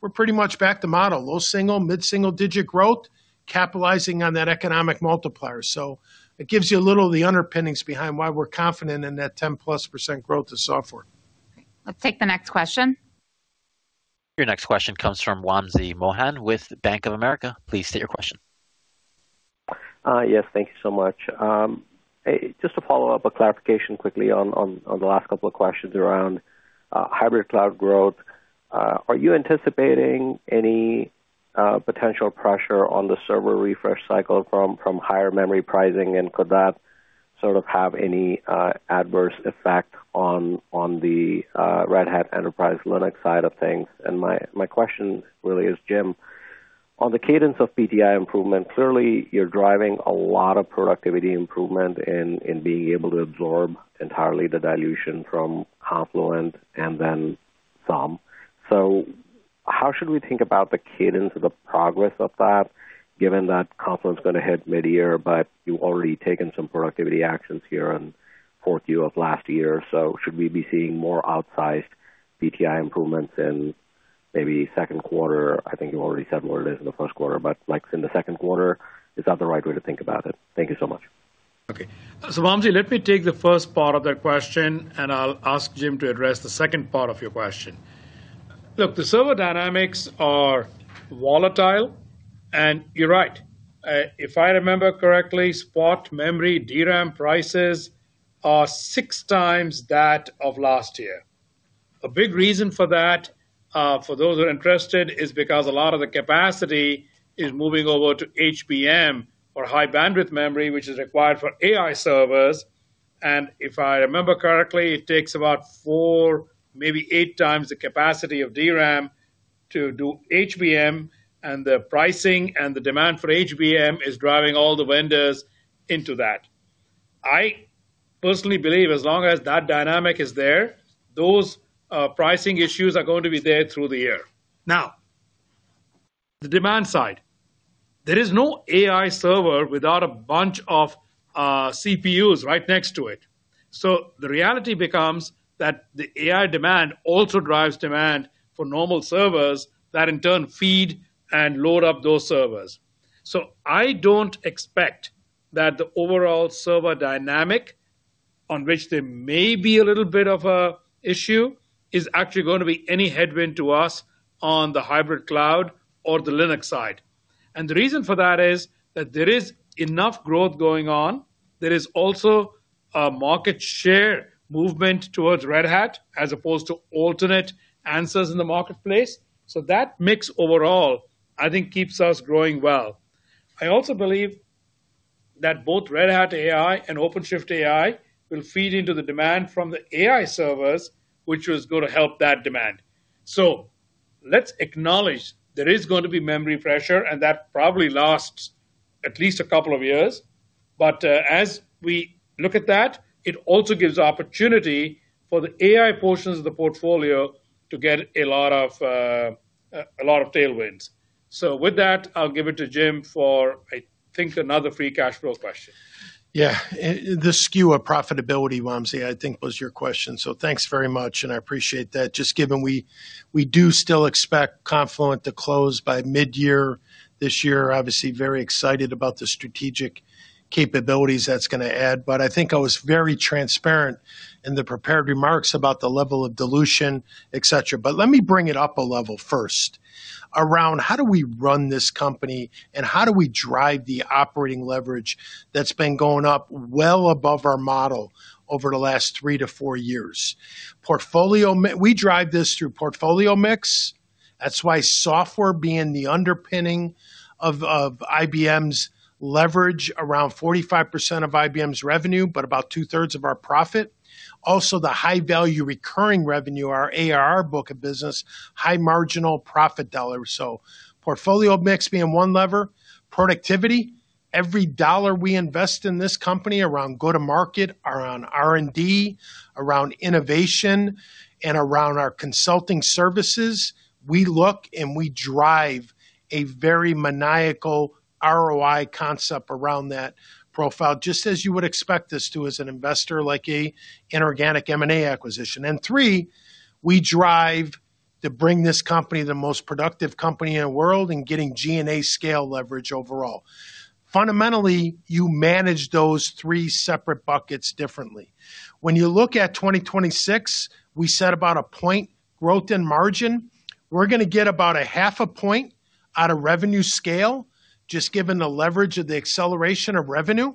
we're pretty much back to model, low single, mid single digit growth, capitalizing on that economic multiplier. It gives you a little of the underpinnings behind why we're confident in that 10%+ growth to software. Let's take the next question. Your next question comes from Wamsi Mohan with Bank of America. Please state your question. Yes, thank you so much. Just to follow up a clarification quickly on the last couple of questions around hybrid cloud growth. Are you anticipating any potential pressure on the server refresh cycle from higher memory pricing, and could that sort of have any adverse effect on the Red Hat Enterprise Linux side of things? And my question really is, Jim, on the cadence of PTI improvement. Clearly you're driving a lot of productivity improvement in being able to absorb entirely the dilution from Confluent and then some. So how should we think about the cadence of the progress of that, given that Confluent is going to hit mid-year, but you've already taken some productivity actions here in fourth Q of last year. So should we be seeing more outsized PTI improvements in maybe second quarter? I think you've already said what it is in the first quarter, but like in the second quarter, is that the right way to think about it? Thank you so much. Okay, so Wamsi, let me take the first part of that question, and I'll ask Jim to address the second part of your question. Look, the server dynamics are volatile, and you're right. If I remember correctly, spot memory, DRAM prices are six times that of last year. A big reason for that, for those who are interested, is because a lot of the capacity is moving over to HBM or High Bandwidth Memory, which is required for AI servers. And if I remember correctly, it takes about four, maybe eight times the capacity of DRAM to do HBM, and the pricing and the demand for HBM is driving all the vendors into that. I personally believe as long as that dynamic is there, those pricing issues are going to be there through the year. Now, the demand side, there is no AI server without a bunch of CPUs right next to it. So the reality becomes that the AI demand also drives demand for normal servers that in turn feed and load up those servers. So I don't expect that the overall server dynamic, on which there may be a little bit of a issue, is actually going to be any headwind to us on the hybrid cloud or the Linux side. And the reason for that is, that there is enough growth going on. There is also a market share movement towards Red Hat as opposed to alternate answers in the marketplace. So that mix overall, I think, keeps us growing well. I also believe that both Red Hat AI and OpenShift AI will feed into the demand from the AI servers, which was going to help that demand. So let's acknowledge there is going to be memory pressure, and that probably lasts at least a couple of years. But, as we look at that, it also gives opportunity for the AI portions of the portfolio to get a lot of, a lot of tailwinds. So with that, I'll give it to Jim for, I think, another free cash flow question. Yeah. The skew of profitability, Wamsi, I think, was your question. So thanks very much, and I appreciate that. Just given we, we do still expect Confluent to close by mid-year, this year, obviously very excited about the strategic capabilities that's going to add. But I think I was very transparent in the prepared remarks about the level of dilution, et cetera. But let me bring it up a level first, around how do we run this company, and how do we drive the operating leverage that's been going up well above our model over the last 3 to 4 years? Portfolio mix. We drive this through portfolio mix. That's why software being the underpinning of, of IBM's leverage, around 45% of IBM's revenue, but about two-thirds of our profit. Also, the high-value recurring revenue, our ARR book of business, high marginal profit dollar. So portfolio mix being one lever, productivity, every dollar we invest in this company around go-to-market, around R&D, around innovation, and around our consulting services, we look and we drive a very maniacal ROI concept around that profile, just as you would expect us to, as an investor, like a inorganic M&A acquisition. And three, we drive to bring this company the most productive company in the world and getting G&A scale leverage overall. Fundamentally, you manage those three separate buckets differently. When you look at 2026, we set about 1 point growth in margin. We're gonna get about 0.5 point out of revenue scale, just given the leverage of the acceleration of revenue.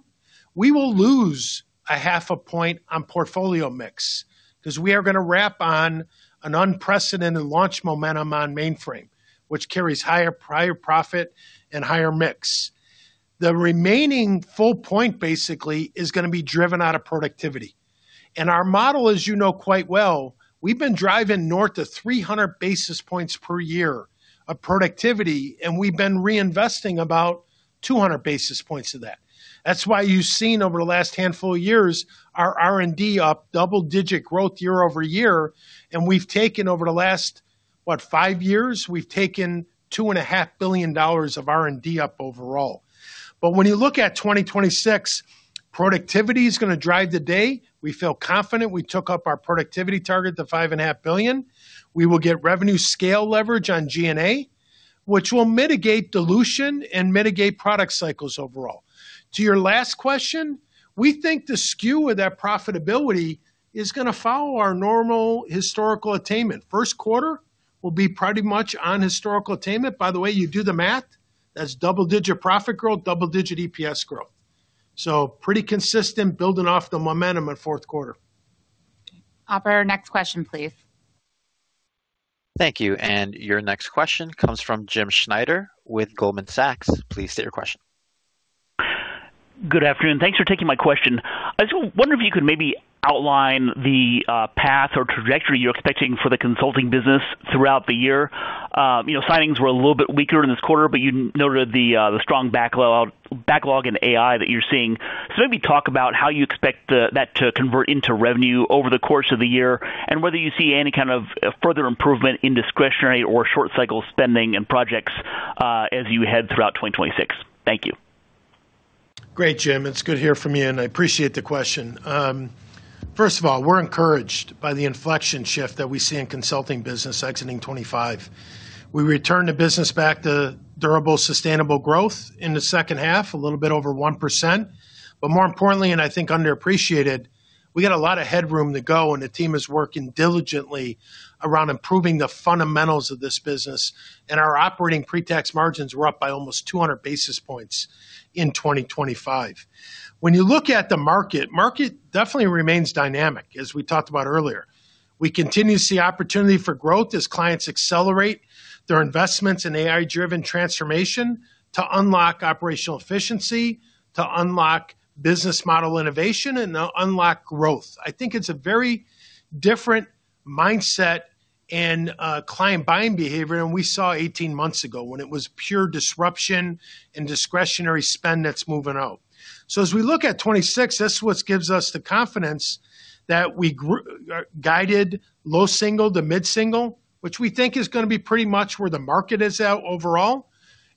We will lose 0.5 point on portfolio mix, 'cause we are gonna wrap on an unprecedented launch momentum on mainframe, which carries higher prior profit and higher mix. The remaining full point, basically, is gonna be driven out of productivity. Our model, as you know quite well, we've been driving north of 300 basis points per year of productivity, and we've been reinvesting about 200 basis points of that. That's why you've seen, over the last handful of years, our R&D up double-digit growth year-over-year, and we've taken over the last, what, 5 years? We've taken $2.5 billion of R&D up overall. But when you look at 2026, productivity is gonna drive the day. We feel confident. We took up our productivity target to $5.5 billion. We will get revenue scale leverage on G&A, which will mitigate dilution and mitigate product cycles overall. To your last question, we think the skew of that profitability is gonna follow our normal historical attainment. First quarter will be pretty much on historical attainment. By the way, you do the math, that's double-digit profit growth, double-digit EPS growth. So pretty consistent building off the momentum in fourth quarter. Operator, next question, please. Thank you, and your next question comes from Jim Schneider with Goldman Sachs. Please state your question. Good afternoon. Thanks for taking my question. I just wonder if you could maybe outline the path or trajectory you're expecting for the consulting business throughout the year. You know, signings were a little bit weaker in this quarter, but you noted the strong backlog, backlog in AI that you're seeing. So maybe talk about how you expect that to convert into revenue over the course of the year, and whether you see any kind of further improvement in discretionary or short-cycle spending and projects as you head throughout 2026. Thank you. Great, Jim. It's good to hear from you, and I appreciate the question. First of all, we're encouraged by the inflection shift that we see in consulting business exiting 25. We returned the business back to durable, sustainable growth in the second half, a little bit over 1%. But more importantly, and I think underappreciated, we got a lot of headroom to go, and the team is working diligently around improving the fundamentals of this business, and our operating pre-tax margins were up by almost 200 basis points in 2025. When you look at the market, it definitely remains dynamic, as we talked about earlier. We continue to see opportunity for growth as clients accelerate their investments in AI-driven transformation to unlock operational efficiency, to unlock business model innovation, and to unlock growth. I think it's a very different mindset and, client buying behavior than we saw 18 months ago, when it was pure disruption and discretionary spend that's moving out. So as we look at 2026, that's what gives us the confidence that we guided low single to mid-single, which we think is gonna be pretty much where the market is at overall.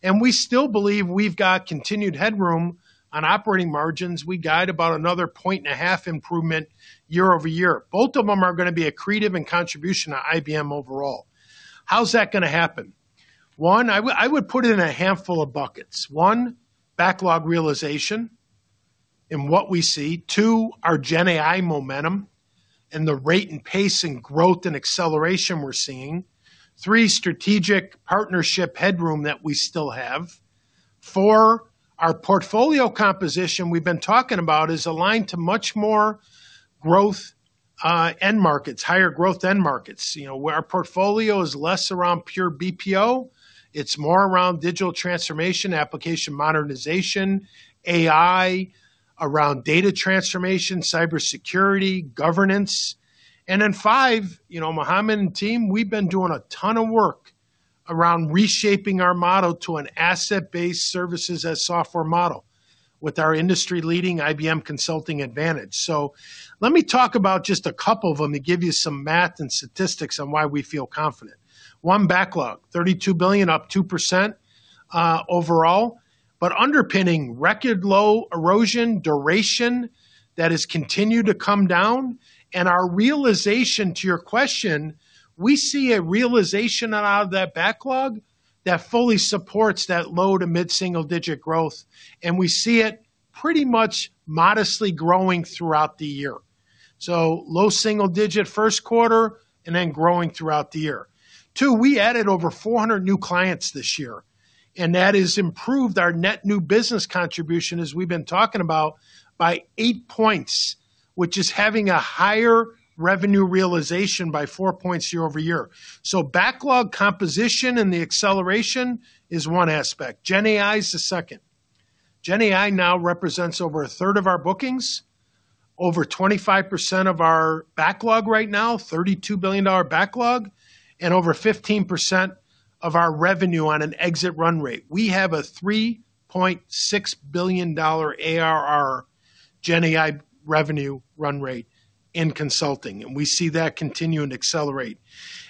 And we still believe we've got continued headroom on operating margins. We guide about another 1.5-point improvement year-over-year. Both of them are gonna be accretive in contribution to IBM overall. How's that gonna happen? One, I would, I would put it in a handful of buckets. One, backlog realization in what we see. Two, our GenAI momentum and the rate and pace and growth and acceleration we're seeing. Three, strategic partnership headroom that we still have. 4, our portfolio composition we've been talking about is aligned to much more growth end markets, higher growth end markets. You know, where our portfolio is less around pure BPO, it's more around digital transformation, application modernization, AI, around data transformation, cybersecurity, governance. And then, 5, you know, Mohamad and team, we've been doing a ton of work around reshaping our model to an asset-based services as software model with our industry-leading IBM Consulting advantage. So let me talk about just a couple of them to give you some math and statistics on why we feel confident. 1, backlog, $32 billion, up 2%, overall, but underpinning record low erosion, duration, that has continued to come down. Our realization, to your question, we see a realization out of that backlog that fully supports that low- to mid-single-digit growth, and we see it pretty much modestly growing throughout the year. So low single-digit first quarter, and then growing throughout the year. Two, we added over 400 new clients this year, and that has improved our net new business contribution, as we've been talking about, by 8 points, which is having a higher revenue realization by 4 points year-over-year. So backlog composition and the acceleration is one aspect. Gen AI is the second. Gen AI now represents over a third of our bookings, over 25% of our backlog right now, $32 billion backlog, and over 15% of our revenue on an exit run rate. We have a $3.6 billion ARR Gen AI revenue run rate in consulting, and we see that continue and accelerate.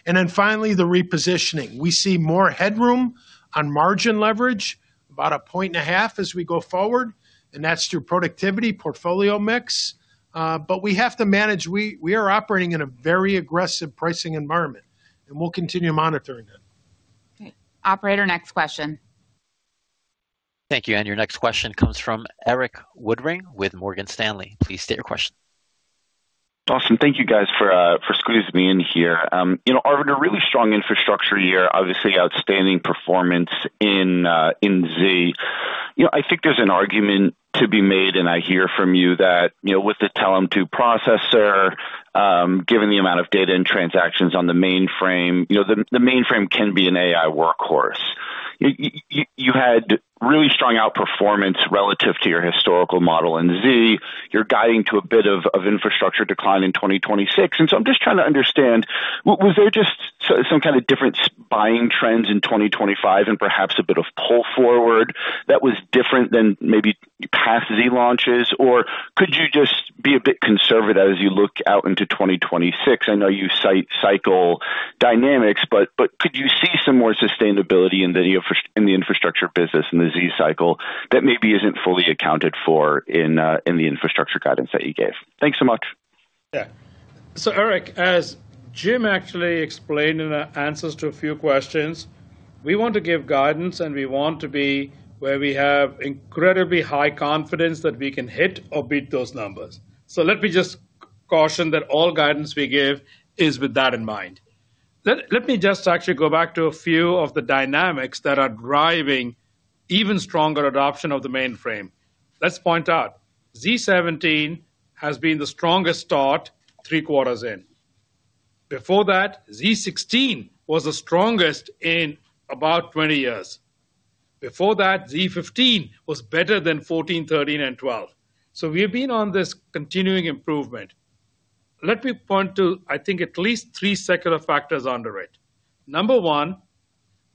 And then finally, the repositioning. We see more headroom on margin leverage, about 1.5 as we go forward, and that's through productivity portfolio mix. But we have to manage. We, we are operating in a very aggressive pricing environment, and we'll continue monitoring it. Okay. Operator, next question. Thank you. And your next question comes from Eric Woodring with Morgan Stanley. Please state your question. Awesome. Thank you, guys, for squeezing me in here. You know, Arvind, a really strong infrastructure year, obviously outstanding performance in Z. You know, I think there's an argument to be made, and I hear from you that, you know, with the Telum II processor, given the amount of data and transactions on the mainframe, you know, the mainframe can be an AI workhorse. You had really strong outperformance relative to your historical model in Z. You're guiding to a bit of infrastructure decline in 2026. And so I'm just trying to understand, was there just some kind of different buying trends in 2025 and perhaps a bit of pull forward that was different than maybe past Z launches? Or could you just be a bit conservative as you look out into 2026? I know you cite cycle dynamics, but could you see some more sustainability in the infrastructure business, in the Z cycle, that maybe isn't fully accounted for in the infrastructure guidance that you gave? Thanks so much. Yeah. So, Eric, as Jim actually explained in the answers to a few questions, we want to give guidance, and we want to be where we have incredibly high confidence that we can hit or beat those numbers. So let me just caution that all guidance we give is with that in mind. Let me just actually go back to a few of the dynamics that are driving even stronger adoption of the mainframe. Let's point out, z17 has been the strongest start 3 quarters in. Before that, z16 was the strongest in about 20 years. Before that, z15 was better than 14, 13, and 12. So we've been on this continuing improvement. Let me point to, I think, at least 3 secular factors under it. Number one,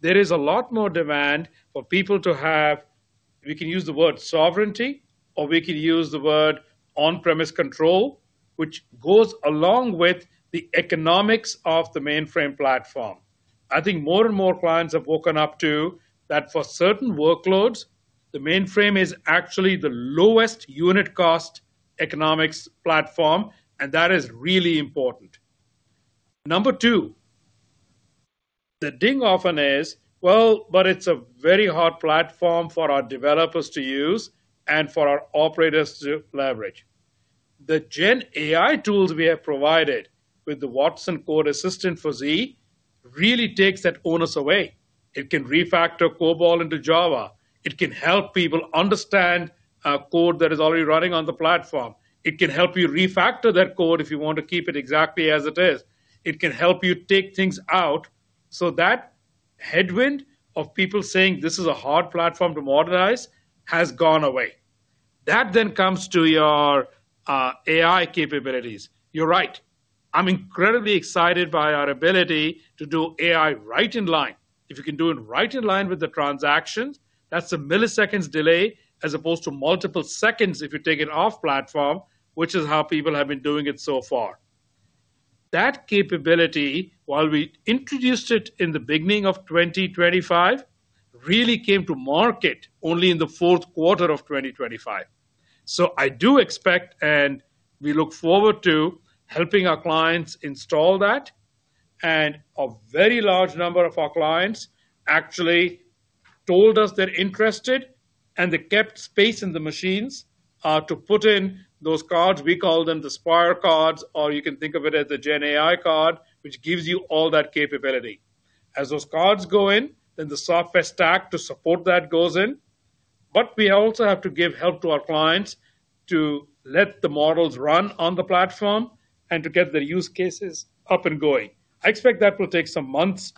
there is a lot more demand for people to have, we can use the word sovereignty, or we could use the word on-premise control, which goes along with the economics of the mainframe platform. I think more and more clients have woken up to that for certain workloads, the mainframe is actually the lowest unit cost economics platform, and that is really important. Number two, the ding often is, well, but it's a very hard platform for our developers to use and for our operators to leverage. The Gen AI tools we have provided with the Watson Code Assistant for Z really takes that onus away. It can refactor COBOL into Java. It can help people understand code that is already running on the platform. It can help you refactor that code if you want to keep it exactly as it is. It can help you take things out, so that headwind of people saying this is a hard platform to modernize has gone away. That then comes to your AI capabilities. You're right. I'm incredibly excited by our ability to do AI right in line. If you can do it right in line with the transactions, that's a milliseconds delay, as opposed to multiple seconds if you take it off platform, which is how people have been doing it so far. That capability, while we introduced it in the beginning of 2025, really came to market only in the fourth quarter of 2025. So I do expect, and we look forward to helping our clients install that, and a very large number of our clients actually told us they're interested, and they kept space in the machines to put in those cards, we call them the Spyre cards, or you can think of it as the Gen AI card, which gives you all that capability. As those cards go in, then the software stack to support that goes in. But we also have to give help to our clients to let the models run on the platform and to get their use cases up and going. I expect that will take some months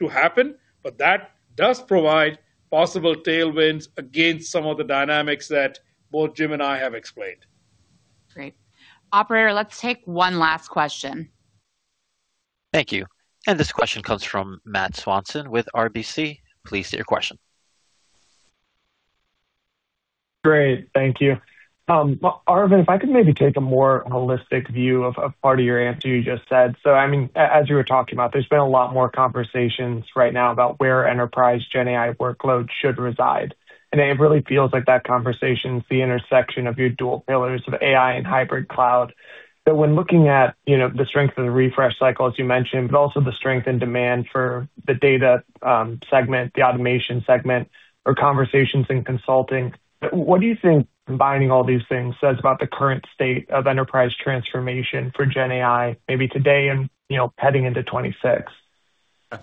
to happen, but that does provide possible tailwinds against some of the dynamics that both Jim and I have explained. Great. Operator, let's take one last question. Thank you. This question comes from Matt Swanson with RBC. Please state your question. Great. Thank you. Well, Arvind, if I could maybe take a more holistic view of part of your answer you just said. So I mean, as you were talking about, there's been a lot more conversations right now about where enterprise Gen AI workloads should reside. And it really feels like that conversation is the intersection of your dual pillars of AI and hybrid cloud. So when looking at, you know, the strength of the refresh cycle, as you mentioned, but also the strength and demand for the data segment, the automation segment, or conversations in consulting, what do you think combining all these things says about the current state of enterprise transformation for Gen AI, maybe today and, you know, heading into 2026? Yeah.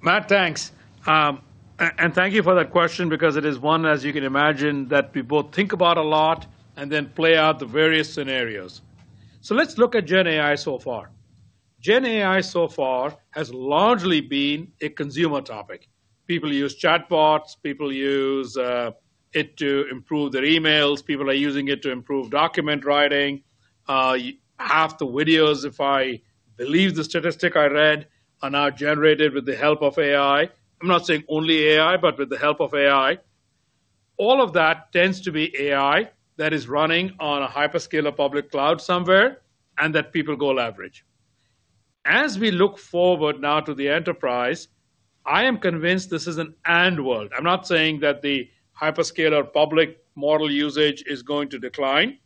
Matt, thanks. And thank you for that question because it is one, as you can imagine, that we both think about a lot and then play out the various scenarios. So let's look at GenAI so far. GenAI so far has largely been a consumer topic. People use chatbots, people use it to improve their emails. People are using it to improve document writing. Half the videos, if I believe the statistic I read, are now generated with the help of AI. I'm not saying only AI, but with the help of AI. All of that tends to be AI that is running on a hyperscaler public cloud somewhere, and that people go leverage. As we look forward now to the enterprise, I am convinced this is an and world. I'm not saying that the hyperscaler public model usage is going to decline,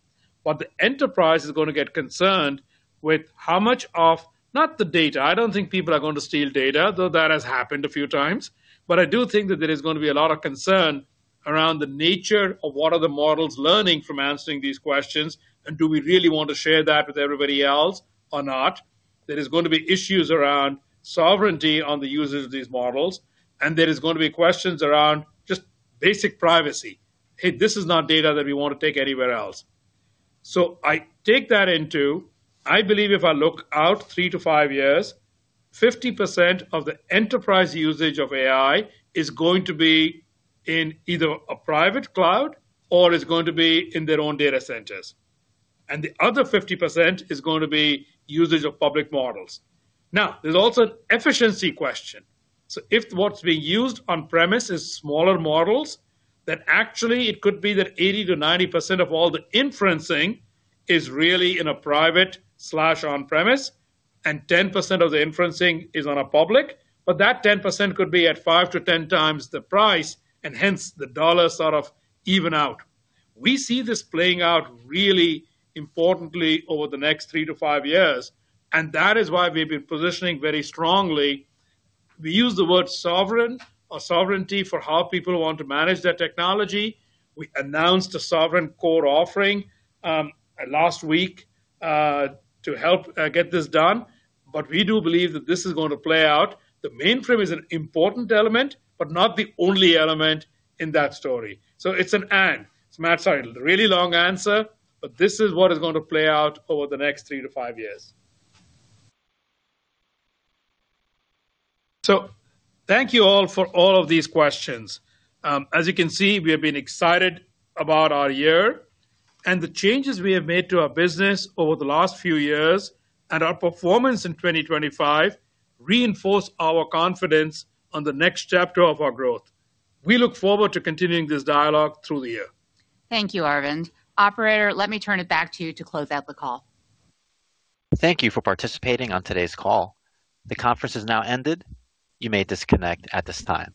but the enterprise is gonna get concerned with how much of... Not the data, I don't think people are going to steal data, though that has happened a few times. But I do think that there is gonna be a lot of concern around the nature of what are the models learning from answering these questions, and do we really want to share that with everybody else or not? There is gonna be issues around sovereignty on the users of these models, and there is gonna be questions around just basic privacy. Hey, this is not data that we want to take anywhere else." So I take that into—I believe if I look out 3-5 years, 50% of the enterprise usage of AI is going to be in either a private cloud or is going to be in their own data centers, and the other 50% is going to be usage of public models. Now, there's also an efficiency question. So if what's being used on-premise is smaller models, then actually it could be that 80%-90% of all the inferencing is really in a private/on-premise, and 10% of the inferencing is on a public. But that 10% could be at 5-10 times the price, and hence the dollars sort of even out. We see this playing out really importantly over the next 3-5 years, and that is why we've been positioning very strongly. We use the word sovereign or sovereignty for how people want to manage their technology. We announced a sovereign core offering last week to help get this done, but we do believe that this is going to play out. The mainframe is an important element, but not the only element in that story. So it's an and. So, Matt, sorry, a really long answer, but this is what is going to play out over the next 3-5 years. So thank you all for all of these questions. As you can see, we have been excited about our year, and the changes we have made to our business over the last few years, and our performance in 2025 reinforce our confidence on the next chapter of our growth. We look forward to continuing this dialogue through the year. Thank you, Arvind. Operator, let me turn it back to you to close out the call. Thank you for participating on today's call. The conference has now ended. You may disconnect at this time.